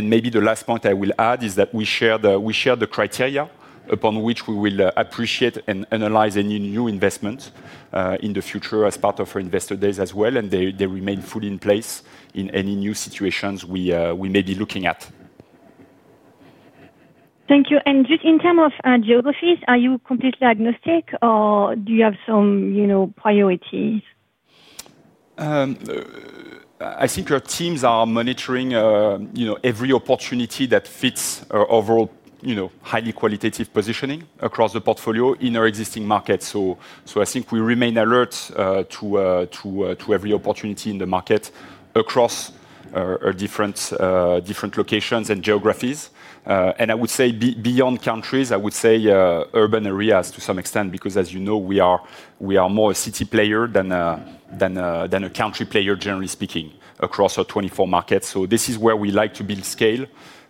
maybe the last point I will add is that we share the criteria upon which we will appreciate and analyze any new investment in the future as part of our Investor Days as well, and they remain fully in place in any new situations we may be looking at. Thank you. And just in terms of geographies, are you completely agnostic or do you have some, you know, priorities? I think our teams are monitoring, you know, every opportunity that fits our overall, you know, highly qualitative positioning across the portfolio in our existing market. So I think we remain alert to every opportunity in the market across our different locations and geographies. And I would say beyond countries, I would say urban areas to some extent, because as you know, we are more a city player than a country player, generally speaking, across our 24 markets. So this is where we like to build scale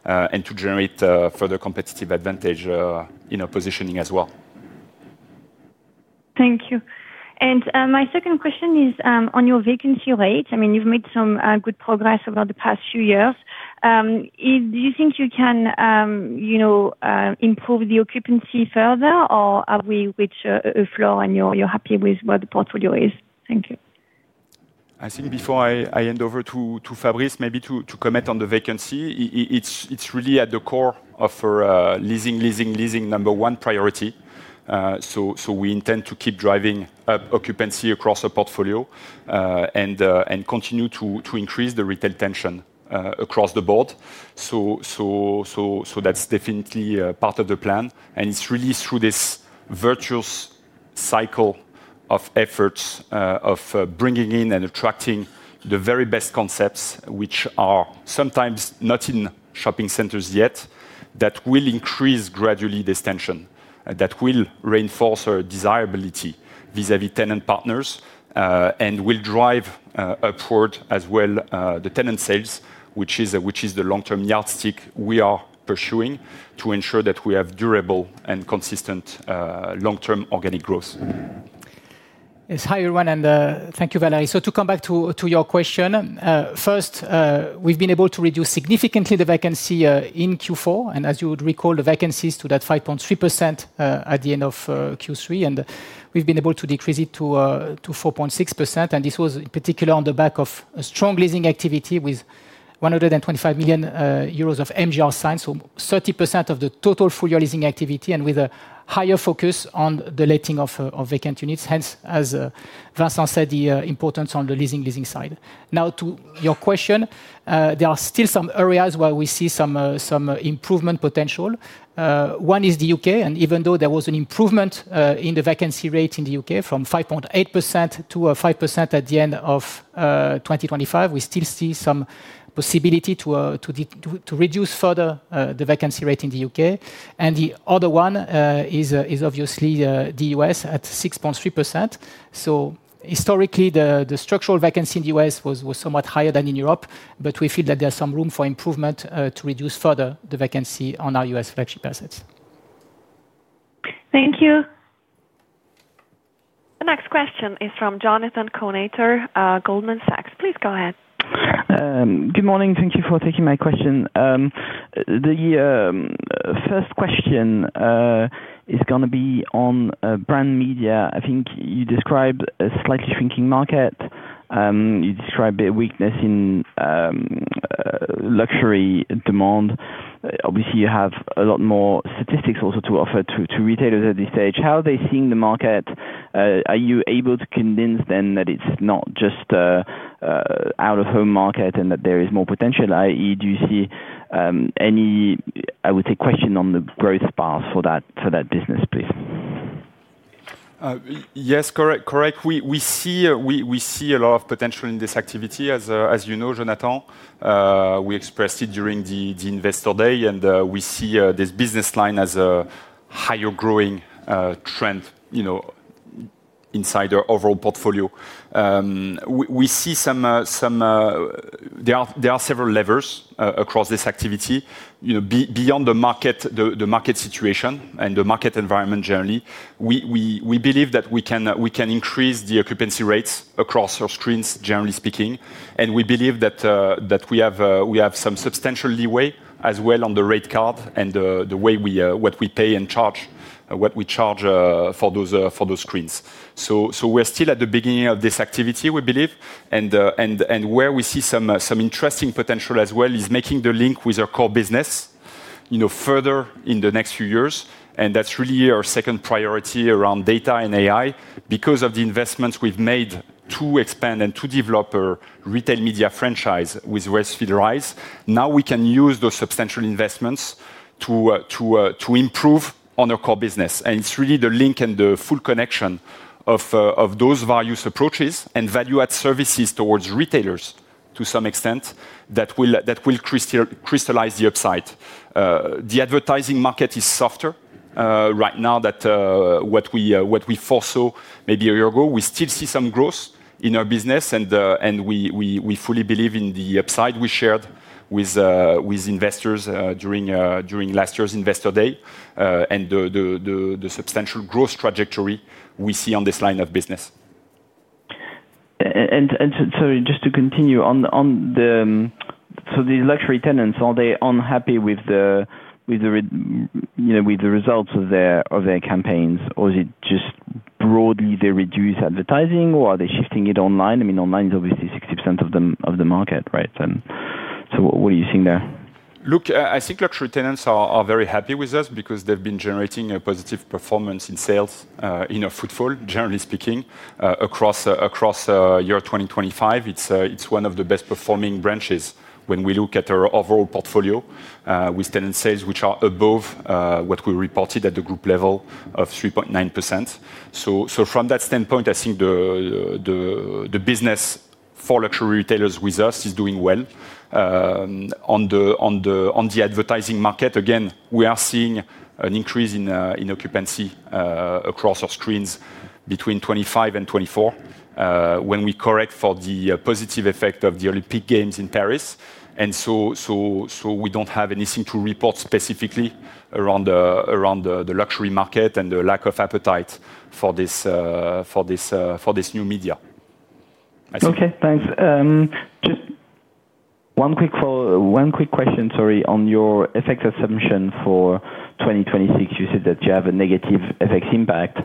and to generate further competitive advantage in our positioning as well. Thank you. My second question is on your vacancy rate. I mean, you've made some good progress over the past few years. Do you think you can, you know, improve the occupancy further, or are we reach a floor and you're happy with where the portfolio is? Thank you. I think before I hand over to Fabrice, maybe to comment on the vacancy, it's really at the core of our leasing number one priority. So that's definitely part of the plan, and it's really through this virtuous cycle of efforts of bringing in and attracting the very best concepts, which are sometimes not in shopping centers yet, that will increase gradually this tension, that will reinforce our desirability vis-à-vis tenant partners, and will drive upward as well the tenant sales, which is the long-term yardstick we are pursuing to ensure that we have durable and consistent long-term organic growth. Yes, hi, everyone, and thank you, Valérie. So to come back to your question, first, we've been able to reduce significantly the vacancy in Q4. As you would recall, the vacancy stood at 5.3% at the end of Q3, and we've been able to decrease it to 4.6%. This was particular on the back of a strong leasing activity with 125 million euros of MGR signed, so 30% of the total full-year leasing activity, and with a higher focus on the letting of vacant units. Hence, as Vincent said, the importance on the leasing side. Now, to your question, there are still some areas where we see some improvement potential. One is the U.K., and even though there was an improvement in the vacancy rate in the U.K. from 5.8% to 5% at the end of 2025, we still see some possibility to reduce further the vacancy rate in the U.K. And the other one is obviously the U.S. at 6.3%. So historically, the structural vacancy in the U.S. was somewhat higher than in Europe, but we feel that there's some room for improvement to reduce further the vacancy on our U.S. flagship assets. Thank you. The next question is from Jonathan Kownator, Goldman Sachs. Please go ahead. Good morning. Thank you for taking my question. The first question is gonna be on brand media. I think you described a slightly shrinking market. You described a weakness in luxury demand. Obviously, you have a lot more statistics also to offer to retailers at this stage. How are they seeing the market? Are you able to convince them that it's not just a out-of-home market and that there is more potential, i.e., do you see any, I would say, question on the growth path for that business, please? Yes, correct, correct. We see a lot of potential in this activity. As you know, Jonathan, we expressed it during the Investor Day, and we see this business line as a higher growing trend, you know, inside our overall portfolio. We see some... There are several levers across this activity. You know, beyond the market, the market situation and the market environment generally, we believe that we can increase the occupancy rates across our screens, generally speaking. And we believe that we have some substantial leeway as well on the rate card and the way we what we pay and charge, what we charge for those screens. So, we're still at the beginning of this activity, we believe. And where we see some interesting potential as well is making the link with our core business, you know, further in the next few years, and that's really our second priority around data and AI. Because of the investments we've made to expand and to develop our retail media franchise with Westfield Rise, now we can use those substantial investments to improve on our core business. And it's really the link and the full connection of those various approaches and value-add services towards retailers to some extent that will crystallize the upside. The advertising market is softer right now than what we foresaw maybe a year ago. We still see some growth in our business, and we fully believe in the upside we shared with investors during last year's Investor Day, and the substantial growth trajectory we see on this line of business. And so, just to continue on, so these luxury tenants, are they unhappy with the, with the re, you know, with the results of their, of their campaigns? Or is it just broadly they reduce advertising, or are they shifting it online? I mean, online is obviously 60% of the market, right? So what are you seeing there? Look, I think luxury tenants are very happy with us because they've been generating a positive performance in sales, in our footfall, generally speaking, across year 2025. It's one of the best performing branches when we look at our overall portfolio, with tenant sales, which are above what we reported at the group level of 3.9%. So from that standpoint, I think the business for luxury retailers with us is doing well. On the advertising market, again, we are seeing an increase in occupancy across our screens between 2025 and 2024, when we correct for the positive effect of the Olympic Games in Paris. We don't have anything to report specifically around the luxury market and the lack of appetite for this new media. Okay, thanks. Just one quick question, sorry. On your FX assumption for 2026, you said that you have a negative FX impact.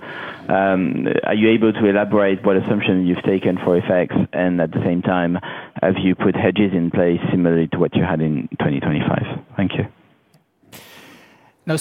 Are you able to elaborate what assumption you've taken for FX, and at the same time, have you put hedges in place similarly to what you had in 2025? Thank you. Now,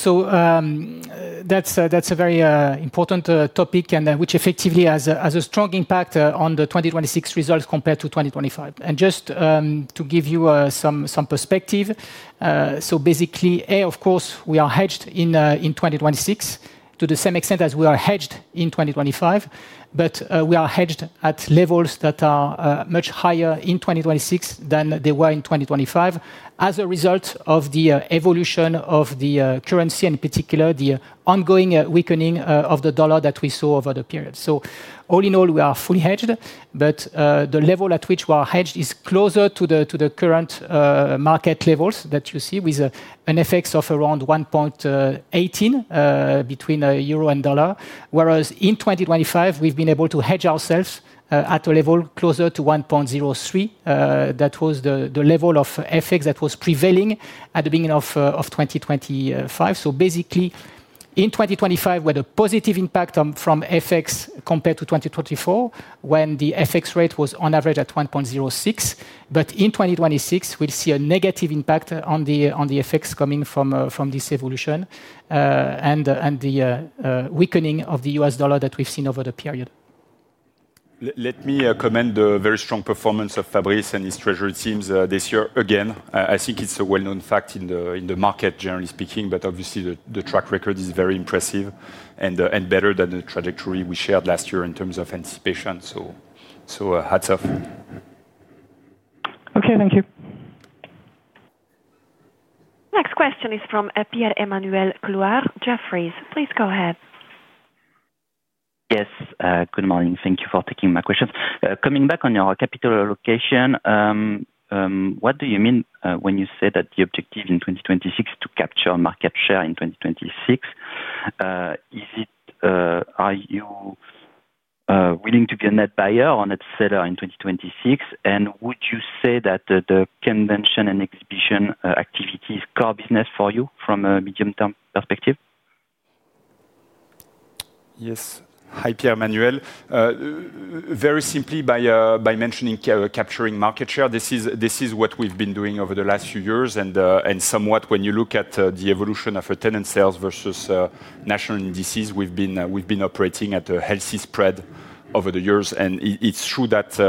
that's a very important topic, and which effectively has a strong impact on the 2026 results compared to 2025. Just to give you some perspective, basically, of course, we are hedged in 2026 to the same extent as we are hedged in 2025, but we are hedged at levels that are much higher in 2026 than they were in 2025 as a result of the evolution of the currency, in particular, the ongoing weakening of the U.S. dollar that we saw over the period. So all in all, we are fully hedged, but, the level at which we are hedged is closer to the, to the current, market levels that you see with, an FX of around 1.18 between, euro and dollar. Whereas in 2025, we've been able to hedge ourselves, at a level closer to 1.03. That was the, the level of FX that was prevailing at the beginning of, of 2025.Basically, in 2025, with a positive impact on, from FX compared to 2024, when the FX rate was on average at 1.06, but in 2026, we'll see a negative impact on the FX coming from this evolution, and the weakening of the U.S. dollar that we've seen over the period. Let me comment the very strong performance of Fabrice and his treasury teams this year again. I think it's a well-known fact in the market, generally speaking, but obviously, the track record is very impressive and better than the trajectory we shared last year in terms of anticipation. So, hats off. Okay, thank you. Next question is from Pierre-Emmanuel Clouard, Jefferies. Please go ahead. Yes, good morning. Thank you for taking my questions. Coming back on your capital allocation, what do you mean, when you say that the objective in 2026 to capture market share in 2026? Is it, are you, willing to be a net buyer or net seller in 2026? And would you say that the, the convention & exhibition, activity is core business for you from a medium-term perspective? Yes. Hi, Pierre-Emmanuel. Very simply, by mentioning capturing market share, this is what we've been doing over the last few years. And somewhat, when you look at the evolution of tenant sales versus national indices, we've been operating at a healthy spread over the years, and it's true that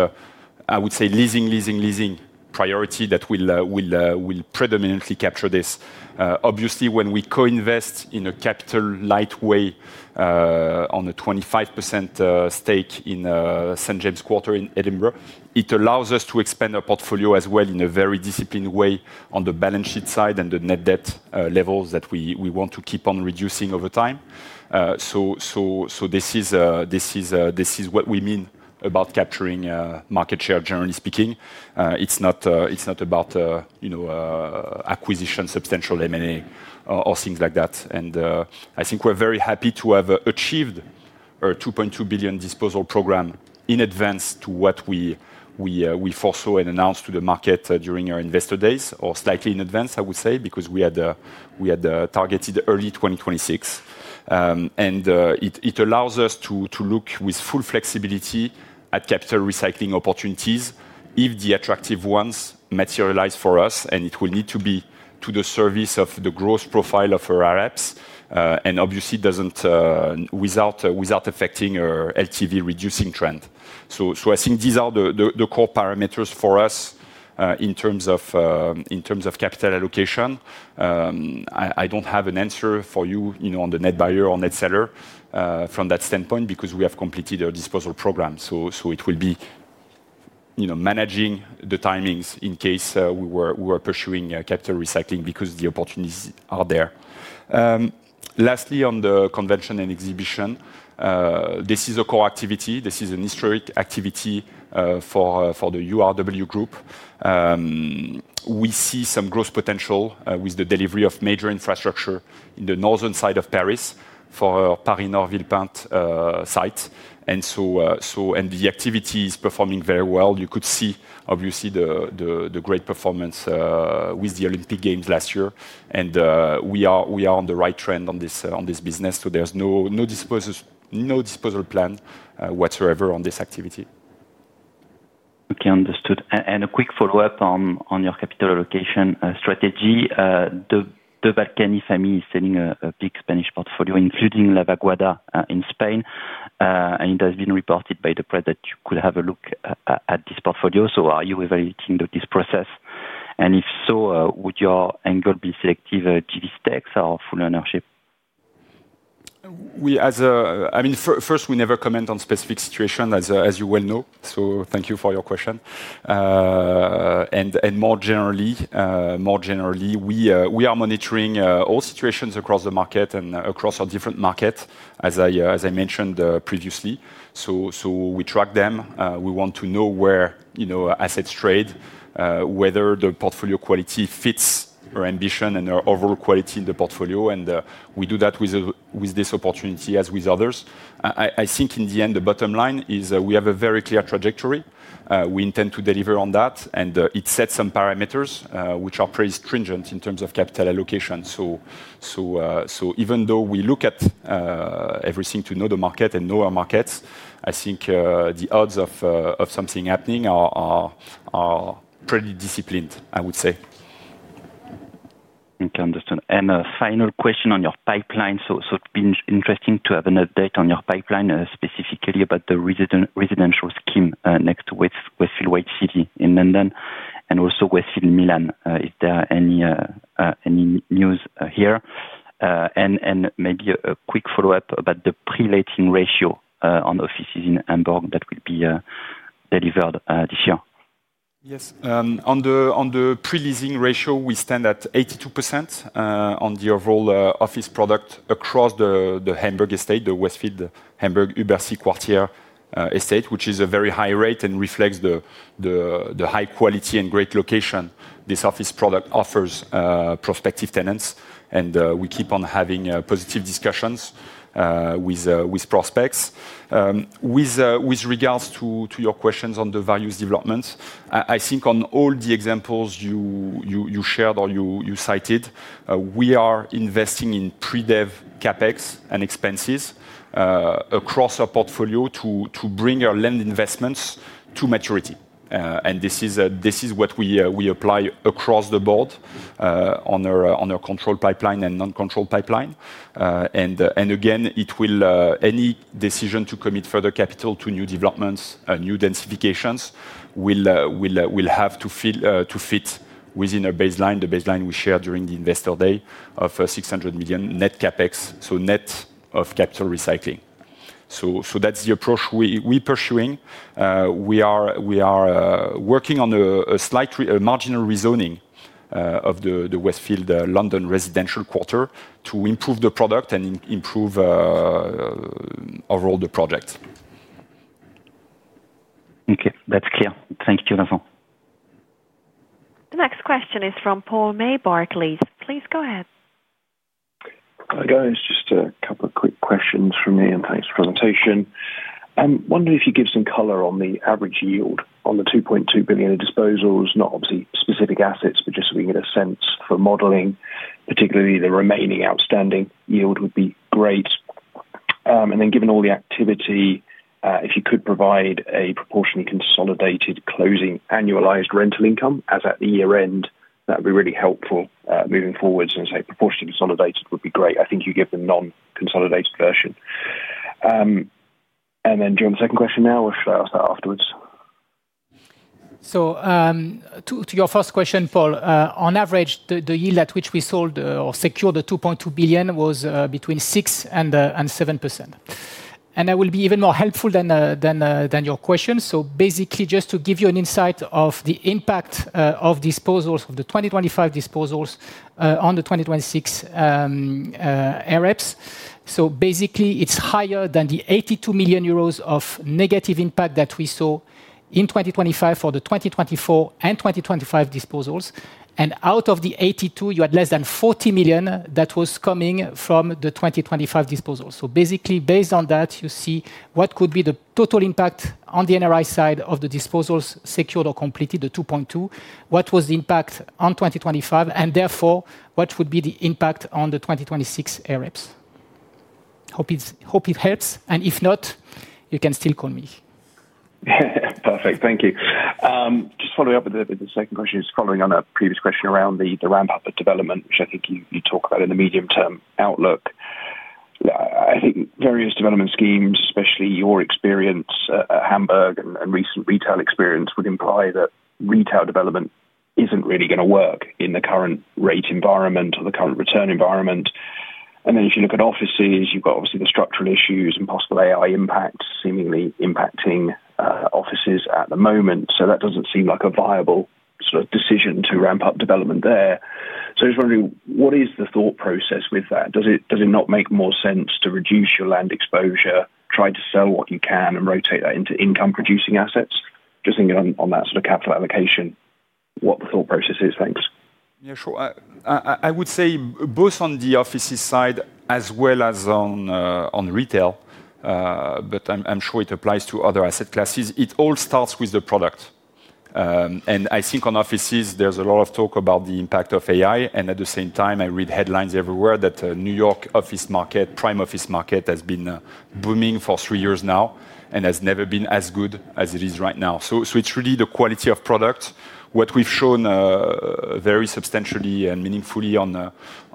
I would say leasing, leasing, leasing priority that will predominantly capture this. Obviously, when we co-invest in a capital-light way, on a 25% stake in a St James Quarter in Edinburgh, it allows us to expand our portfolio as well in a very disciplined way on the balance sheet side and the net debt levels that we want to keep on reducing over time. So this is what we mean about capturing market share, generally speaking. It's not about, you know, acquisition, substantial M&A or things like that. I think we're very happy to have achieved our 2.2 billion disposal program in advance to what we foresaw and announced to the market during our investor days, or slightly in advance, I would say, because we had targeted early 2026. It allows us to look with full flexibility at capital recycling opportunities if the attractive ones materialize for us, and it will need to be to the service of the growth profile of our AREPS. Obviously, without affecting our LTV reducing trend. So I think these are the core parameters for us, in terms of capital allocation. I don't have an answer for you, you know, on the net buyer or net seller, from that standpoint, because we have completed our disposal program. So it will be, you know, managing the timings in case we were pursuing capital recycling because the opportunities are there. Lastly, on the convention & exhibition, this is a core activity. This is an historic activity, for the URW Group. We see some growth potential, with the delivery of major infrastructure in the northern side of Paris for Paris Nord Villepinte site. And the activity is performing very well. You could see, obviously, the great performance with the Olympic Games last year. And we are on the right trend on this business, so there's no disposals, no disposal plan whatsoever on this activity. Okay, understood. And a quick follow-up on your capital allocation strategy. The Balkany family is selling a big Spanish portfolio, including La Vaguada, in Spain. And it has been reported by the press that you could have a look at this portfolio. So are you evaluating this process? And if so, would your angle be selective JV stakes or full ownership? I mean, first, we never comment on specific situation, as you well know, so thank you for your question. And more generally, we are monitoring all situations across the market and across our different markets, as I mentioned previously. So we track them. We want to know where, you know, assets trade, whether the portfolio quality fits our ambition and our overall quality in the portfolio, and we do that with this opportunity, as with others. I think in the end, the bottom line is, we have a very clear trajectory. We intend to deliver on that, and it sets some parameters, which are pretty stringent in terms of capital allocation. So even though we look at everything to know the market and know our markets, I think the odds of something happening are pretty disciplined, I would say. Okay, understood. And a final question on your pipeline. So it's been interesting to have an update on your pipeline, specifically about the residential scheme next to Westfield White City in London and also Westfield Milan. Is there any news here? And maybe a quick follow-up about the pre-letting ratio on the offices in Hamburg that will be delivered this year. Yes. On the pre-leasing ratio, we stand at 82%, on the overall office product across the Hamburg estate, the Westfield Hamburg Überseequartier estate, which is a very high rate and reflects the high quality and great location this office product offers prospective tenants. And we keep on having positive discussions with prospects. With regards to your questions on the values development, I think on all the examples you shared or you cited, we are investing in pre-dev CapEx and expenses across our portfolio to bring our land investments to maturity. And this is what we apply across the board on our controlled pipeline and non-controlled pipeline. Again, any decision to commit further capital to new developments and new densifications will have to fit within our baseline, the baseline we shared during the Investor Day, of 600 million net CapEx, so net of capital recycling. So that's the approach we're pursuing. We are working on a marginal rezoning of the Westfield London residential quarter to improve the product and improve overall the project. Okay, that's clear. Thank you, Laurent. The next question is from Paul May, Barclays. Please go ahead. Hi, guys. Just a couple of quick questions from me, and thanks for the presentation. Wondering if you could give some color on the average yield on the 2.2 billion disposals, not obviously specific assets, but just so we get a sense for modeling, particularly the remaining outstanding yield would be great. And then given all the activity, if you could provide a proportionally consolidated closing annualized rental income, as at the year-end, that would be really helpful, moving forward. So say, proportionally consolidated would be great. I think you gave the non-consolidated version. And then, do you want the second question now, or should I ask that afterwards? So, to your first question, Paul, on average, the yield at which we sold or secured the 2.2 billion was between 6%-7%. And I will be even more helpful than your question. So basically, just to give you an insight of the impact of disposals of the 2025 disposals on the 2026 AREPS. So basically, it's higher than the 82 million euros of negative impact that we saw in 2025 for the 2024 and 2025 disposals. And out of the 82, you had less than 40 million that was coming from the 2025 disposals. So basically, based on that, you see what could be the total impact on the NRI side of the disposals secured or completed, the 2.2. What was the impact on 2025, and therefore, what would be the impact on the 2026 AREPS? Hope it helps, and if not, you can still call me. Perfect. Thank you. Just following up with the second question, just following on a previous question around the ramp-up of development, which I think you talk about in the medium-term outlook. I think various development schemes, especially your experience at Hamburg and recent retail experience, would imply that retail development isn't really gonna work in the current rate environment or the current return environment. And then if you look at offices, you've got obviously the structural issues and possible AI impact seemingly impacting offices at the moment, so that doesn't seem like a viable sort of decision to ramp up development there. So I'm just wondering, what is the thought process with that? Does it not make more sense to reduce your land exposure, try to sell what you can, and rotate that into income-producing assets? Just thinking on, on that sort of capital allocation... what the thought process is? Thanks. Yeah, sure. I would say both on the offices side as well as on retail, but I'm sure it applies to other asset classes. It all starts with the product. And I think on offices, there's a lot of talk about the impact of AI, and at the same time, I read headlines everywhere that New York office market, prime office market, has been booming for three years now and has never been as good as it is right now. So it's really the quality of product. What we've shown very substantially and meaningfully on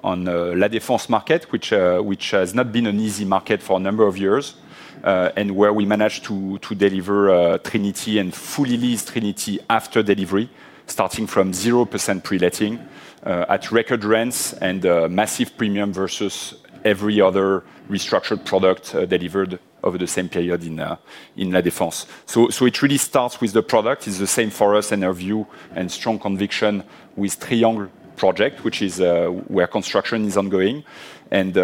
La Défense market, which has not been an easy market for a number of years, and where we managed to deliver Trinity and fully leased Trinity after delivery, starting from 0% pre-letting, at record rents and massive premium versus every other restructured product delivered over the same period in La Défense. So it really starts with the product. It's the same for us and our view and strong conviction with Trinity project, which is where construction is ongoing. And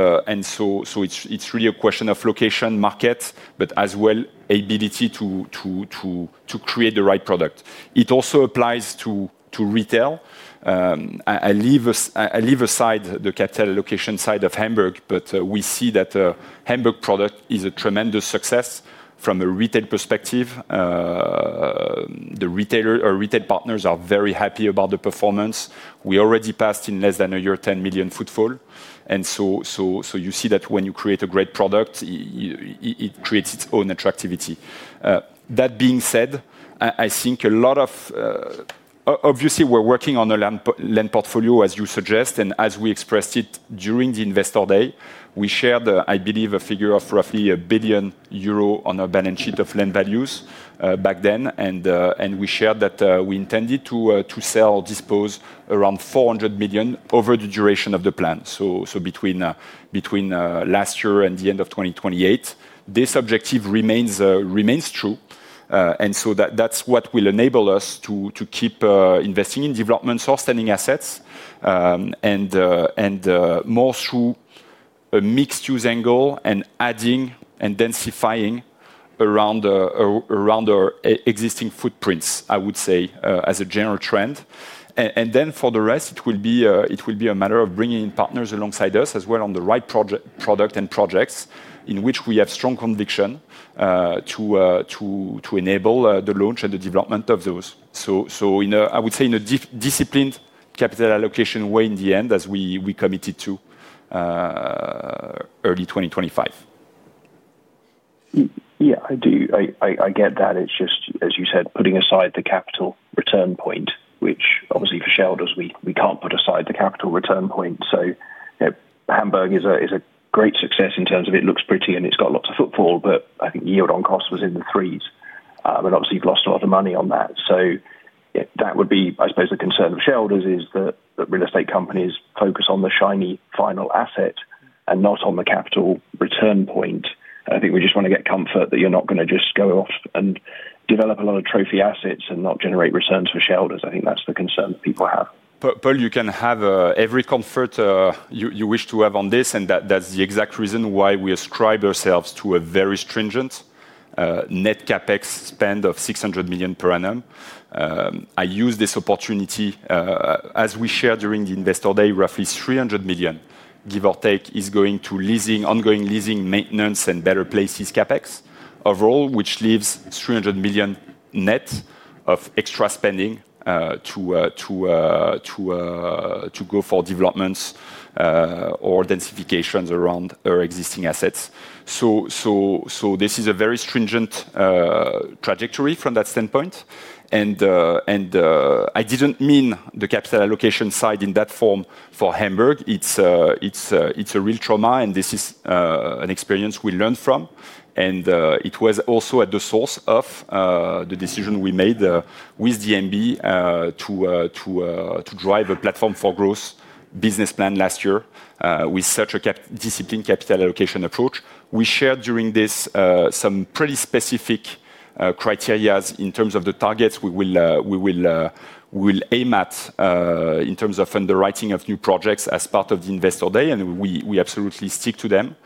so it's really a question of location, market, but as well, ability to create the right product. It also applies to retail. I leave aside the capital location side of Hamburg, but we see that Hamburg product is a tremendous success from a retail perspective. The retailer or retail partners are very happy about the performance. We already passed in less than a year, 10 million footfall. And so you see that when you create a great product, it creates its own attractivity. That being said, I think a lot of obviously, we're working on a land portfolio, as you suggest, and as we expressed it during the Investor Day, we shared, I believe, a figure of roughly 1 billion euro on our balance sheet of land values, back then. And, and we shared that, we intended to, to sell or dispose around 400 million over the duration of the plan. So between, between, last year and the end of 2028. This objective remains true. And so that, that's what will enable us to, to keep investing in developments or standing assets. And, and, more through a mixed use angle and adding and densifying around, around our existing footprints, I would say, as a general trend. And then for the rest, it will be, it will be a matter of bringing in partners alongside us as well on the right product and projects in which we have strong conviction, to, to, to enable, the launch and the development of those. So, I would say, in a disciplined capital allocation way in the end, as we committed to, early 2025. Yeah, I do. I get that. It's just, as you said, putting aside the capital return point, which obviously for shareholders, we can't put aside the capital return point. So, you know, Hamburg is a great success in terms of it looks pretty, and it's got lots of footfall, but I think yield on cost was in the threes. But obviously, you've lost a lot of money on that. So yeah, that would be, I suppose, the concern of shareholders is that real estate companies focus on the shiny final asset and not on the capital return point. And I think we just want to get comfort that you're not gonna just go off and develop a lot of trophy assets and not generate returns for shareholders. I think that's the concern people have. Paul, you can have every comfort you wish to have on this, and that's the exact reason why we ascribe ourselves to a very stringent net CapEx spend of 600 million per annum. I use this opportunity, as we shared during the Investor Day, roughly 300 million, give or take, is going to leasing, ongoing leasing, maintenance, and Better Places CapEx overall, which leaves 300 million net of extra spending to go for developments or densifications around our existing assets. So this is a very stringent trajectory from that standpoint. And I didn't mean the capital allocation side in that form for Hamburg. It's a real trauma, and this is an experience we learned from. It was also at the source of the decision we made with the MB to drive a Platform for Growth business plan last year with such a capital-disciplined capital allocation approach. We shared during this some pretty specific criteria in terms of the targets we will aim at in terms of underwriting of new projects as part of the Investor Day, and we absolutely stick to them.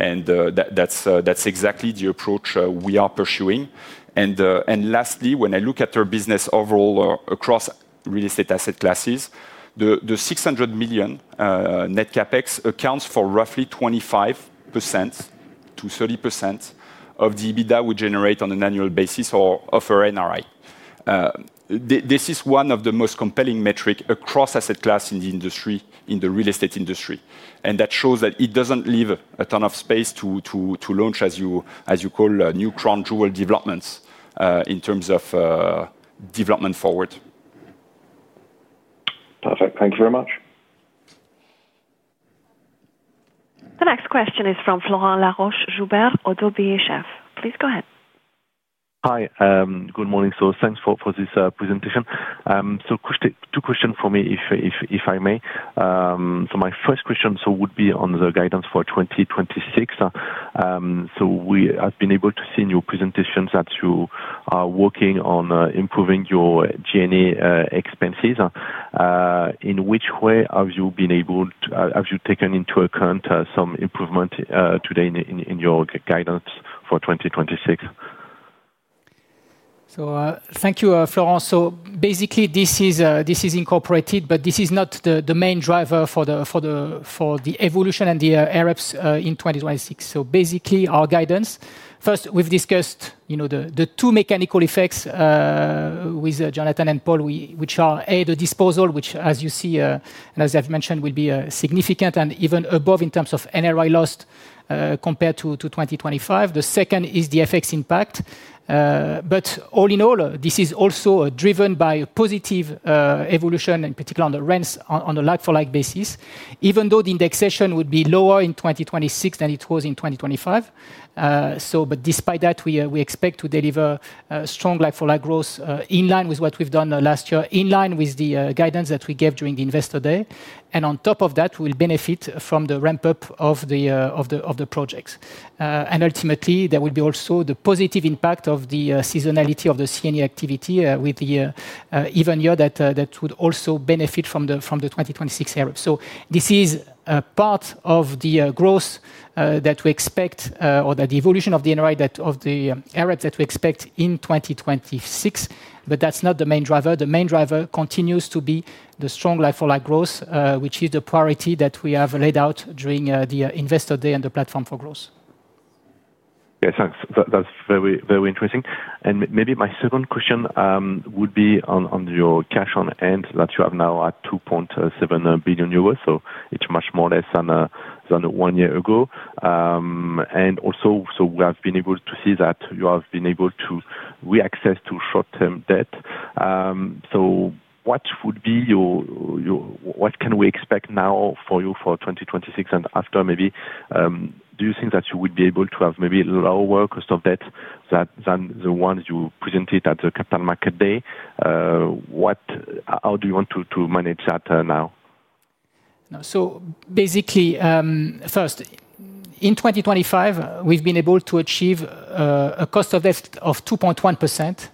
That's exactly the approach we are pursuing. And lastly, when I look at our business overall across real estate asset classes, the 600 million net CapEx accounts for roughly 25%-30% of the EBITDA we generate on an annual basis or of our NRI. This is one of the most compelling metric across asset class in the industry, in the real estate industry. That shows that it doesn't leave a ton of space to launch, as you call, new crown jewel developments, in terms of development forward. Perfect. Thank you very much. The next question is from Florent Laroche-Joubert, Oddo BHF. Please go ahead. Hi, good morning. Thanks for this presentation. Two questions for me, if I may. My first question would be on the guidance for 2026. We have been able to see in your presentations that you are working on improving your G&A expenses. In which way have you been able to... have you taken into account some improvement today in your guidance for 2026? So, thank you, Florent. So basically, this is incorporated, but this is not the main driver for the evolution and the AREPS in 2026. So basically, our guidance, first, we've discussed, you know, the two mechanical effects with Jonathan and Paul. Which are, A, the disposal, which as you see, and as I've mentioned, will be significant and even above in terms of NRI lost compared to 2025. The second is the FX impact. But all in all, this is also driven by a positive evolution, in particular on the rents on a like-for-like basis. Even though the indexation would be lower in 2026 than it was in 2025. So but despite that, we, we expect to deliver strong like-for-like growth in line with what we've done last year, in line with the guidance that we gave during the Investor Day. And on top of that, we'll benefit from the ramp-up of the projects. And ultimately, there will be also the positive impact of the seasonality of the C&E activity with the even year that that would also benefit from the 2026 AREPS. So this is part of the growth that we expect or the evolution of the NRI that of the AREPS that we expect in 2026, but that's not the main driver. The main driver continues to be the strong like-for-like growth, which is the priority that we have laid out during the Investor Day and the Platform for Growth. Yeah, thanks. That, that's very, very interesting. And maybe my second question would be on your cash on hand that you have now at 2.7 billion euros. So it's much more or less than one year ago. And also, so we have been able to see that you have been able to reaccess to short-term debt. So what would be your, your... What can we expect now for you for 2026 and after, maybe? Do you think that you would be able to have maybe a lower cost of debt than the ones you presented at the Capital Market Day? How do you want to manage that now? So basically, first, in 2025, we've been able to achieve a cost of debt of 2.1%, which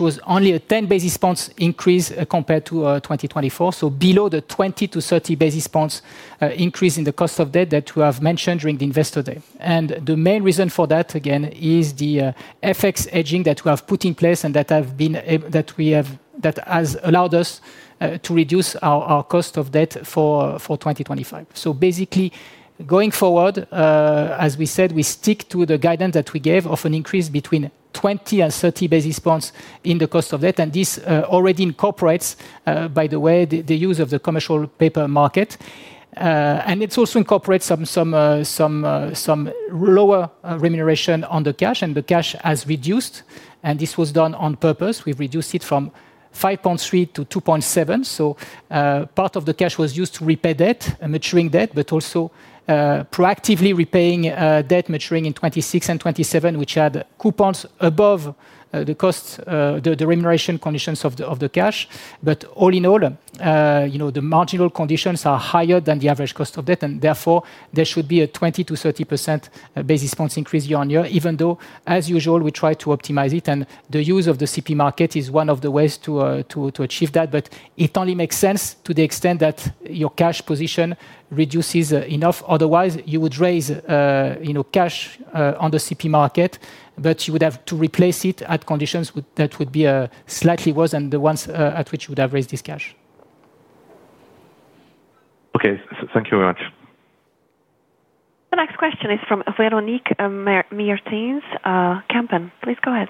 was only a 10 basis points increase compared to 2024. So below the 20-30 basis points increase in the cost of debt that we have mentioned during the Investor Day. And the main reason for that, again, is the FX hedging that we have put in place and that we have, that has allowed us to reduce our cost of debt for 2025. So basically, going forward, as we said, we stick to the guidance that we gave of an increase between 20 and 30 basis points in the cost of debt, and this already incorporates, by the way, the use of the commercial paper market. And it also incorporates some, some, some lower remuneration on the cash, and the cash has reduced, and this was done on purpose. We've reduced it from 5.3 to 2.7. So, part of the cash was used to repay debt and maturing debt, but also, proactively repaying, debt maturing in 2026 and 2027, which had coupons above, the cost, the, the remuneration conditions of the, of the cash. But all in all, you know, the marginal conditions are higher than the average cost of debt, and therefore, there should be a 20-30 percent basis points increase year-on-year, even though, as usual, we try to optimize it, and the use of the CP market is one of the ways to, to achieve that. But it only makes sense to the extent that your cash position reduces enough. Otherwise, you would raise, you know, cash on the CP market, but you would have to replace it at conditions that would be slightly worse than the ones at which you would have raised this cash. Okay. Thank you very much. The next question is from Véronique Meertens, Kempen. Please go ahead.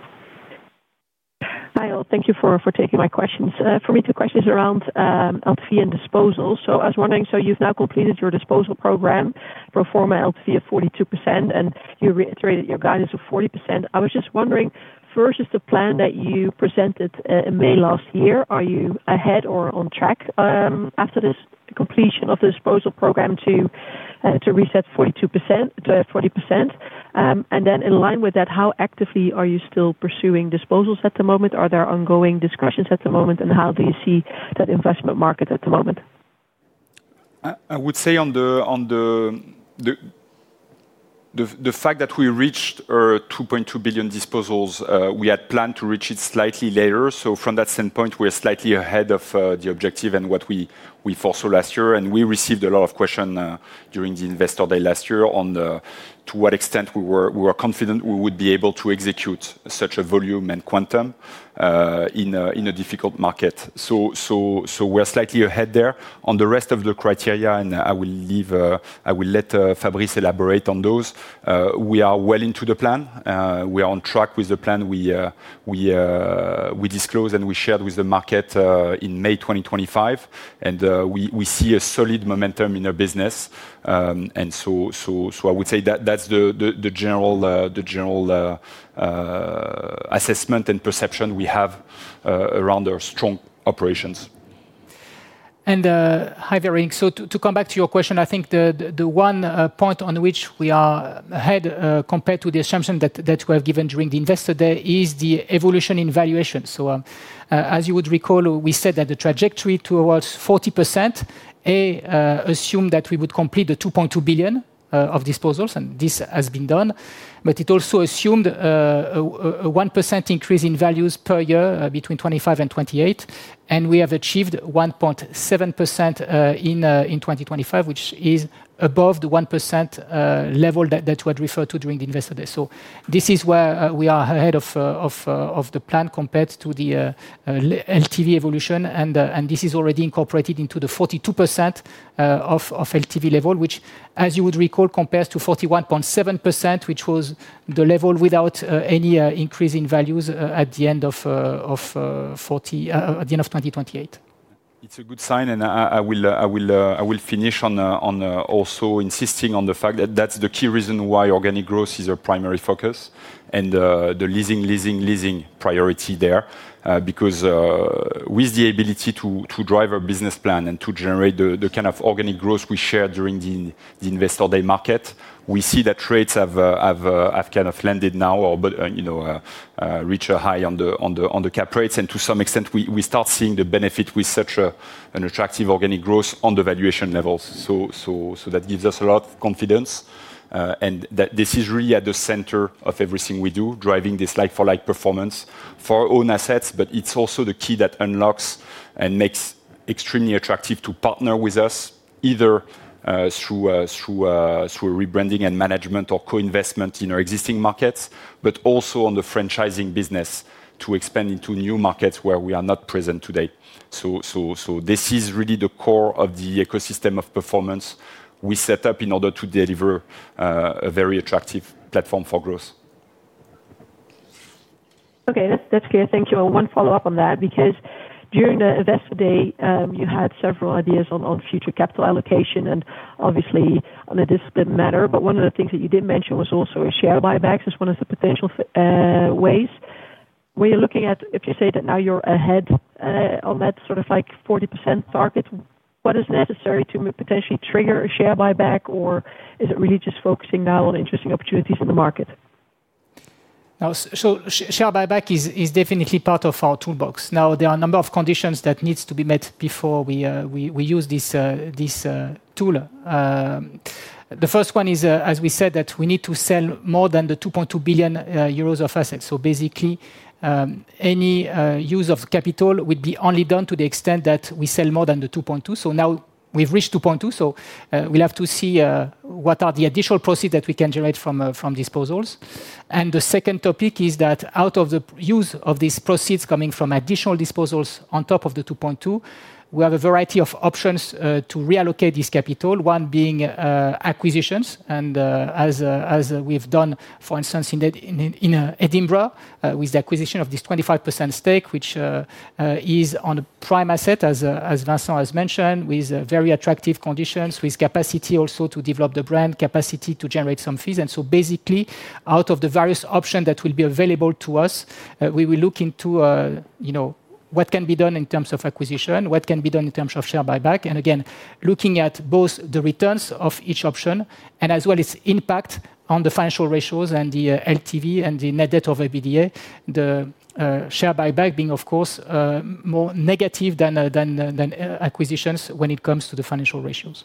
Hi, all. Thank you for taking my questions. For me, two questions around LTV and disposals. So I was wondering, so you've now completed your disposal program for a former LTV of 42%, and you reiterated your guidance of 40%. I was just wondering, first, is the plan that you presented in May last year, are you ahead or on track after this completion of the disposal program to reset 42% to 40%? And then in line with that, how actively are you still pursuing disposals at the moment? Are there ongoing discussions at the moment, and how do you see that investment market at the moment? I would say on the fact that we reached 2.2 billion disposals, we had planned to reach it slightly later. So from that standpoint, we are slightly ahead of the objective and what we foresee last year, and we received a lot of question during the Investor Day last year on to what extent we were confident we would be able to execute such a volume and quantum in a difficult market. So we're slightly ahead there. On the rest of the criteria, and I will let Fabrice elaborate on those. We are well into the plan. We are on track with the plan. We disclose and we shared with the market in May 2025, and we see a solid momentum in our business. And so I would say that that's the general assessment and perception we have around our strong operations. Hi, Véronique. To come back to your question, I think the one point on which we are ahead compared to the assumption that we have given during the Investor Day is the evolution in valuation. As you would recall, we said that the trajectory towards 40% assumed that we would complete the 2.2 billion of disposals, and this has been done, but it also assumed a 1% increase in values per year between 2025 and 2028, and we have achieved 1.7% in 2025, which is above the 1% level that we had referred to during the Investor Day. So this is where we are ahead of the plan compared to the LTV evolution, and this is already incorporated into the 42% LTV level, which, as you would recall, compares to 41.7%, which was the level without any increase in values at the end of 2028. It's a good sign, and I will finish on also insisting on the fact that that's the key reason why organic growth is our primary focus and the leasing, leasing, leasing priority there. Because with the ability to drive our business plan and to generate the kind of organic growth we share during the Investor Day market, we see that rates have kind of landed now or but, you know, reach a high on the cap rates. And to some extent, we start seeing the benefit with such an attractive organic growth on the valuation levels. So that gives us a lot of confidence, and that this is really at the center of everything we do, driving this like for like performance for our own assets, but it's also the key that unlocks and makes extremely attractive to partner with us, either through rebranding and management or co-investment in our existing markets, but also on the franchising business to expand into new markets where we are not present today. So this is really the core of the ecosystem of performance we set up in order to deliver a very attractive Platform for Growth. Okay, that's clear. Thank you. One follow-up on that, because during the Investor Day, you had several ideas on future capital allocation and obviously on the discipline matter, but one of the things that you did mention was also a share buybacks as one of the potential ways. Were you looking at, if you say that now you're ahead on that sort of like 40% target, what is necessary to potentially trigger a share buyback, or is it really just focusing now on interesting opportunities in the market? Now, so share buyback is definitely part of our toolbox. Now, there are a number of conditions that needs to be met before we use this tool. The first one is, as we said, that we need to sell more than 2.2 billion euros of assets. So basically, any use of capital would be only done to the extent that we sell more than 2.2. So now we've reached 2.2, so we'll have to see what are the additional proceeds that we can generate from disposals. And the second topic is that out of the use of these proceeds coming from additional disposals on top of 2.2, we have a variety of options to reallocate this capital. One being acquisitions, and as we've done, for instance, in Edinburgh, with the acquisition of this 25% stake, which is on a prime asset, as Vincent has mentioned, with very attractive conditions, with capacity also to develop the brand, capacity to generate some fees. And so basically, out of the various option that will be available to us, we will look into, you know, what can be done in terms of acquisition, what can be done in terms of share buyback, and again, looking at both the returns of each option and as well as impact on the financial ratios and the LTV and the net debt to EBITDA, the share buyback being, of course, more negative than acquisitions when it comes to the financial ratios.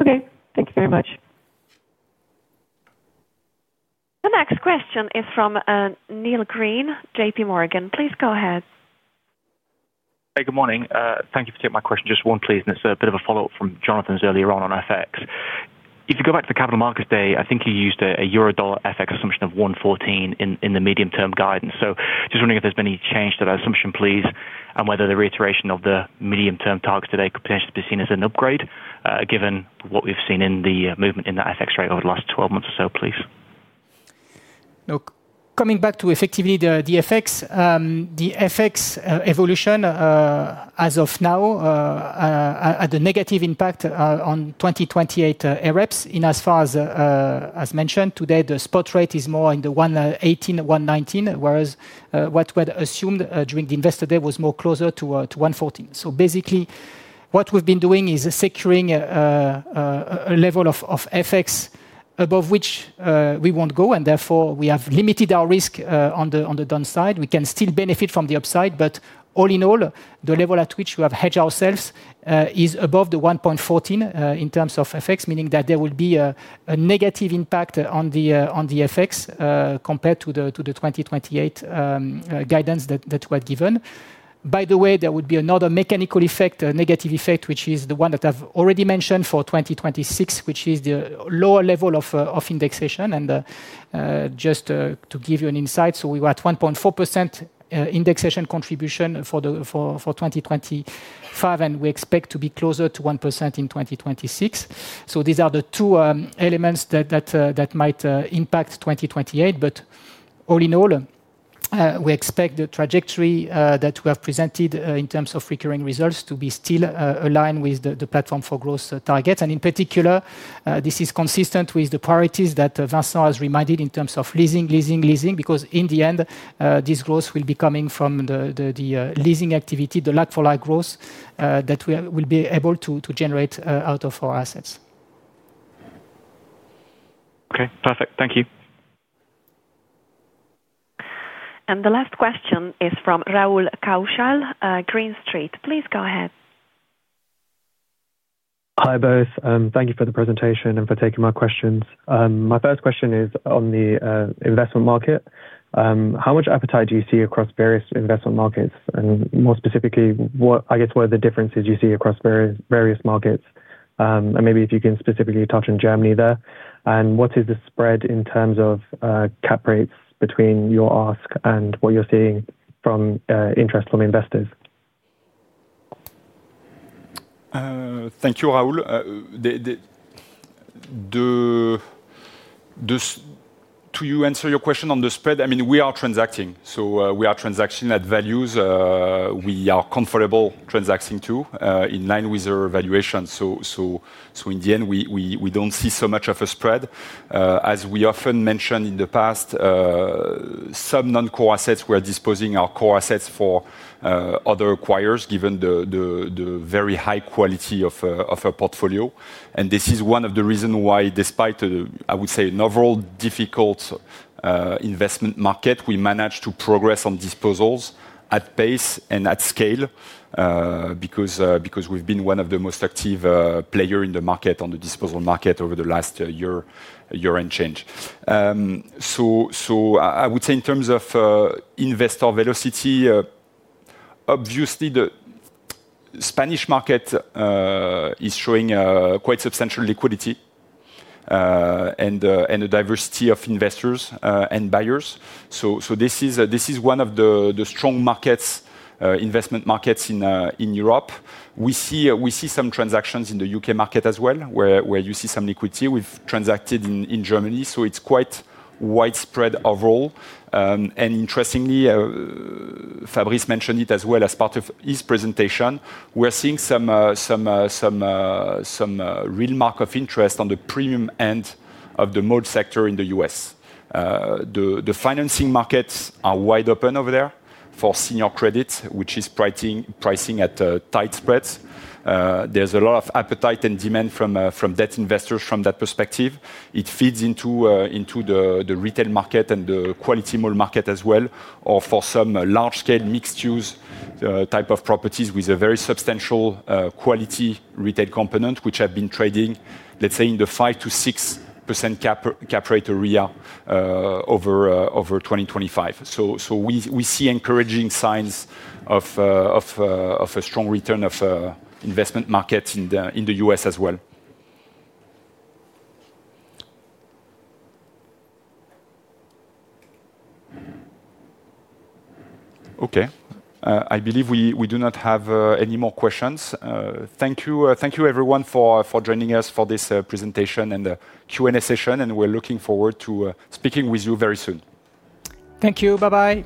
Okay. Thank you very much. The next question is from Neil Green, JPMorgan. Please go ahead. Hey, good morning. Thank you for taking my question. Just one, please, and it's a bit of a follow-up from Jonathan's earlier on, on FX. If you go back to the Capital Markets Day, I think you used a euro-dollar FX assumption of 1.14 in the medium-term guidance. So just wondering if there's been any change to that assumption, please, and whether the reiteration of the medium-term targets today could potentially be seen as an upgrade, given what we've seen in the movement in that FX rate over the last 12 months or so, please. Look, coming back to effectively the FX evolution as of now had a negative impact on 2028 AREPS in as far as as mentioned. Today, the spot rate is more in the 1.18, 1.19, whereas what was assumed during the Investor Day was more closer to to 1.14. So basically, what we've been doing is securing a level of FX above which we won't go, and therefore we have limited our risk on the downside. We can still benefit from the upside, but all in all, the level at which we have hedged ourselves is above the 1.14 in terms of FX, meaning that there will be a negative impact on the FX compared to the 2028 guidance that was given. By the way, there would be another mechanical effect, a negative effect, which is the one that I've already mentioned for 2026, which is the lower level of indexation. Just to give you an insight, so we were at 1.4% indexation contribution for 2025, and we expect to be closer to 1% in 2026. So these are the two elements that might impact 2028, but all in all, we expect the trajectory that we have presented in terms of recurring results to be still aligned with the Platform for Growth targets. And in particular, this is consistent with the priorities that Vincent has reminded in terms of leasing, leasing, leasing, because in the end, this growth will be coming from the leasing activity, the like for like growth that we'll be able to generate out of our assets. Okay, perfect. Thank you. And the last question is from Rahul Kaushal, Green Street. Please go ahead. Hi, both, and thank you for the presentation and for taking my questions. My first question is on the investment market. How much appetite do you see across various investment markets? And more specifically, what, I guess, what are the differences you see across various markets? And maybe if you can specifically touch on Germany there. And what is the spread in terms of cap rates between your ask and what you're seeing from interest from investors? Thank you, Rahul. To answer your question on the spread, I mean, we are transacting. So, we are transacting at values we are comfortable transacting to, in line with our valuation. So, in the end, we don't see so much of a spread. As we often mentioned in the past, some non-core assets, we are disposing our core assets for other acquirers, given the very high quality of our portfolio. And this is one of the reason why despite, I would say, an overall difficult investment market, we managed to progress on disposals at pace and at scale, because we've been one of the most active player in the market, on the disposal market over the last year and change. So I would say in terms of investor velocity, obviously, the Spanish market is showing quite substantial liquidity, and a diversity of investors, and buyers. So this is one of the strong markets, investment markets in Europe. We see some transactions in the U.K. market as well, where you see some liquidity. We've transacted in Germany, so it's quite widespread overall. And interestingly, Fabrice mentioned it as well as part of his presentation, we're seeing some real mark of interest on the premium end of the mode sector in the U.S. The financing markets are wide open over there for senior credits, which is pricing at tight spreads. There's a lot of appetite and demand from debt investors from that perspective. It feeds into the retail market and the quality mall market as well, or for some large-scale, mixed-use type of properties with a very substantial quality retail component, which have been trading, let's say, in the 5%-6% cap rate a year over 2025. So we see encouraging signs of a strong return of investment markets in the U.S. as well. Okay. I believe we do not have any more questions. Thank you. Thank you everyone for joining us for this presentation and the Q&A session, and we're looking forward to speaking with you very soon. Thank you. Bye-bye!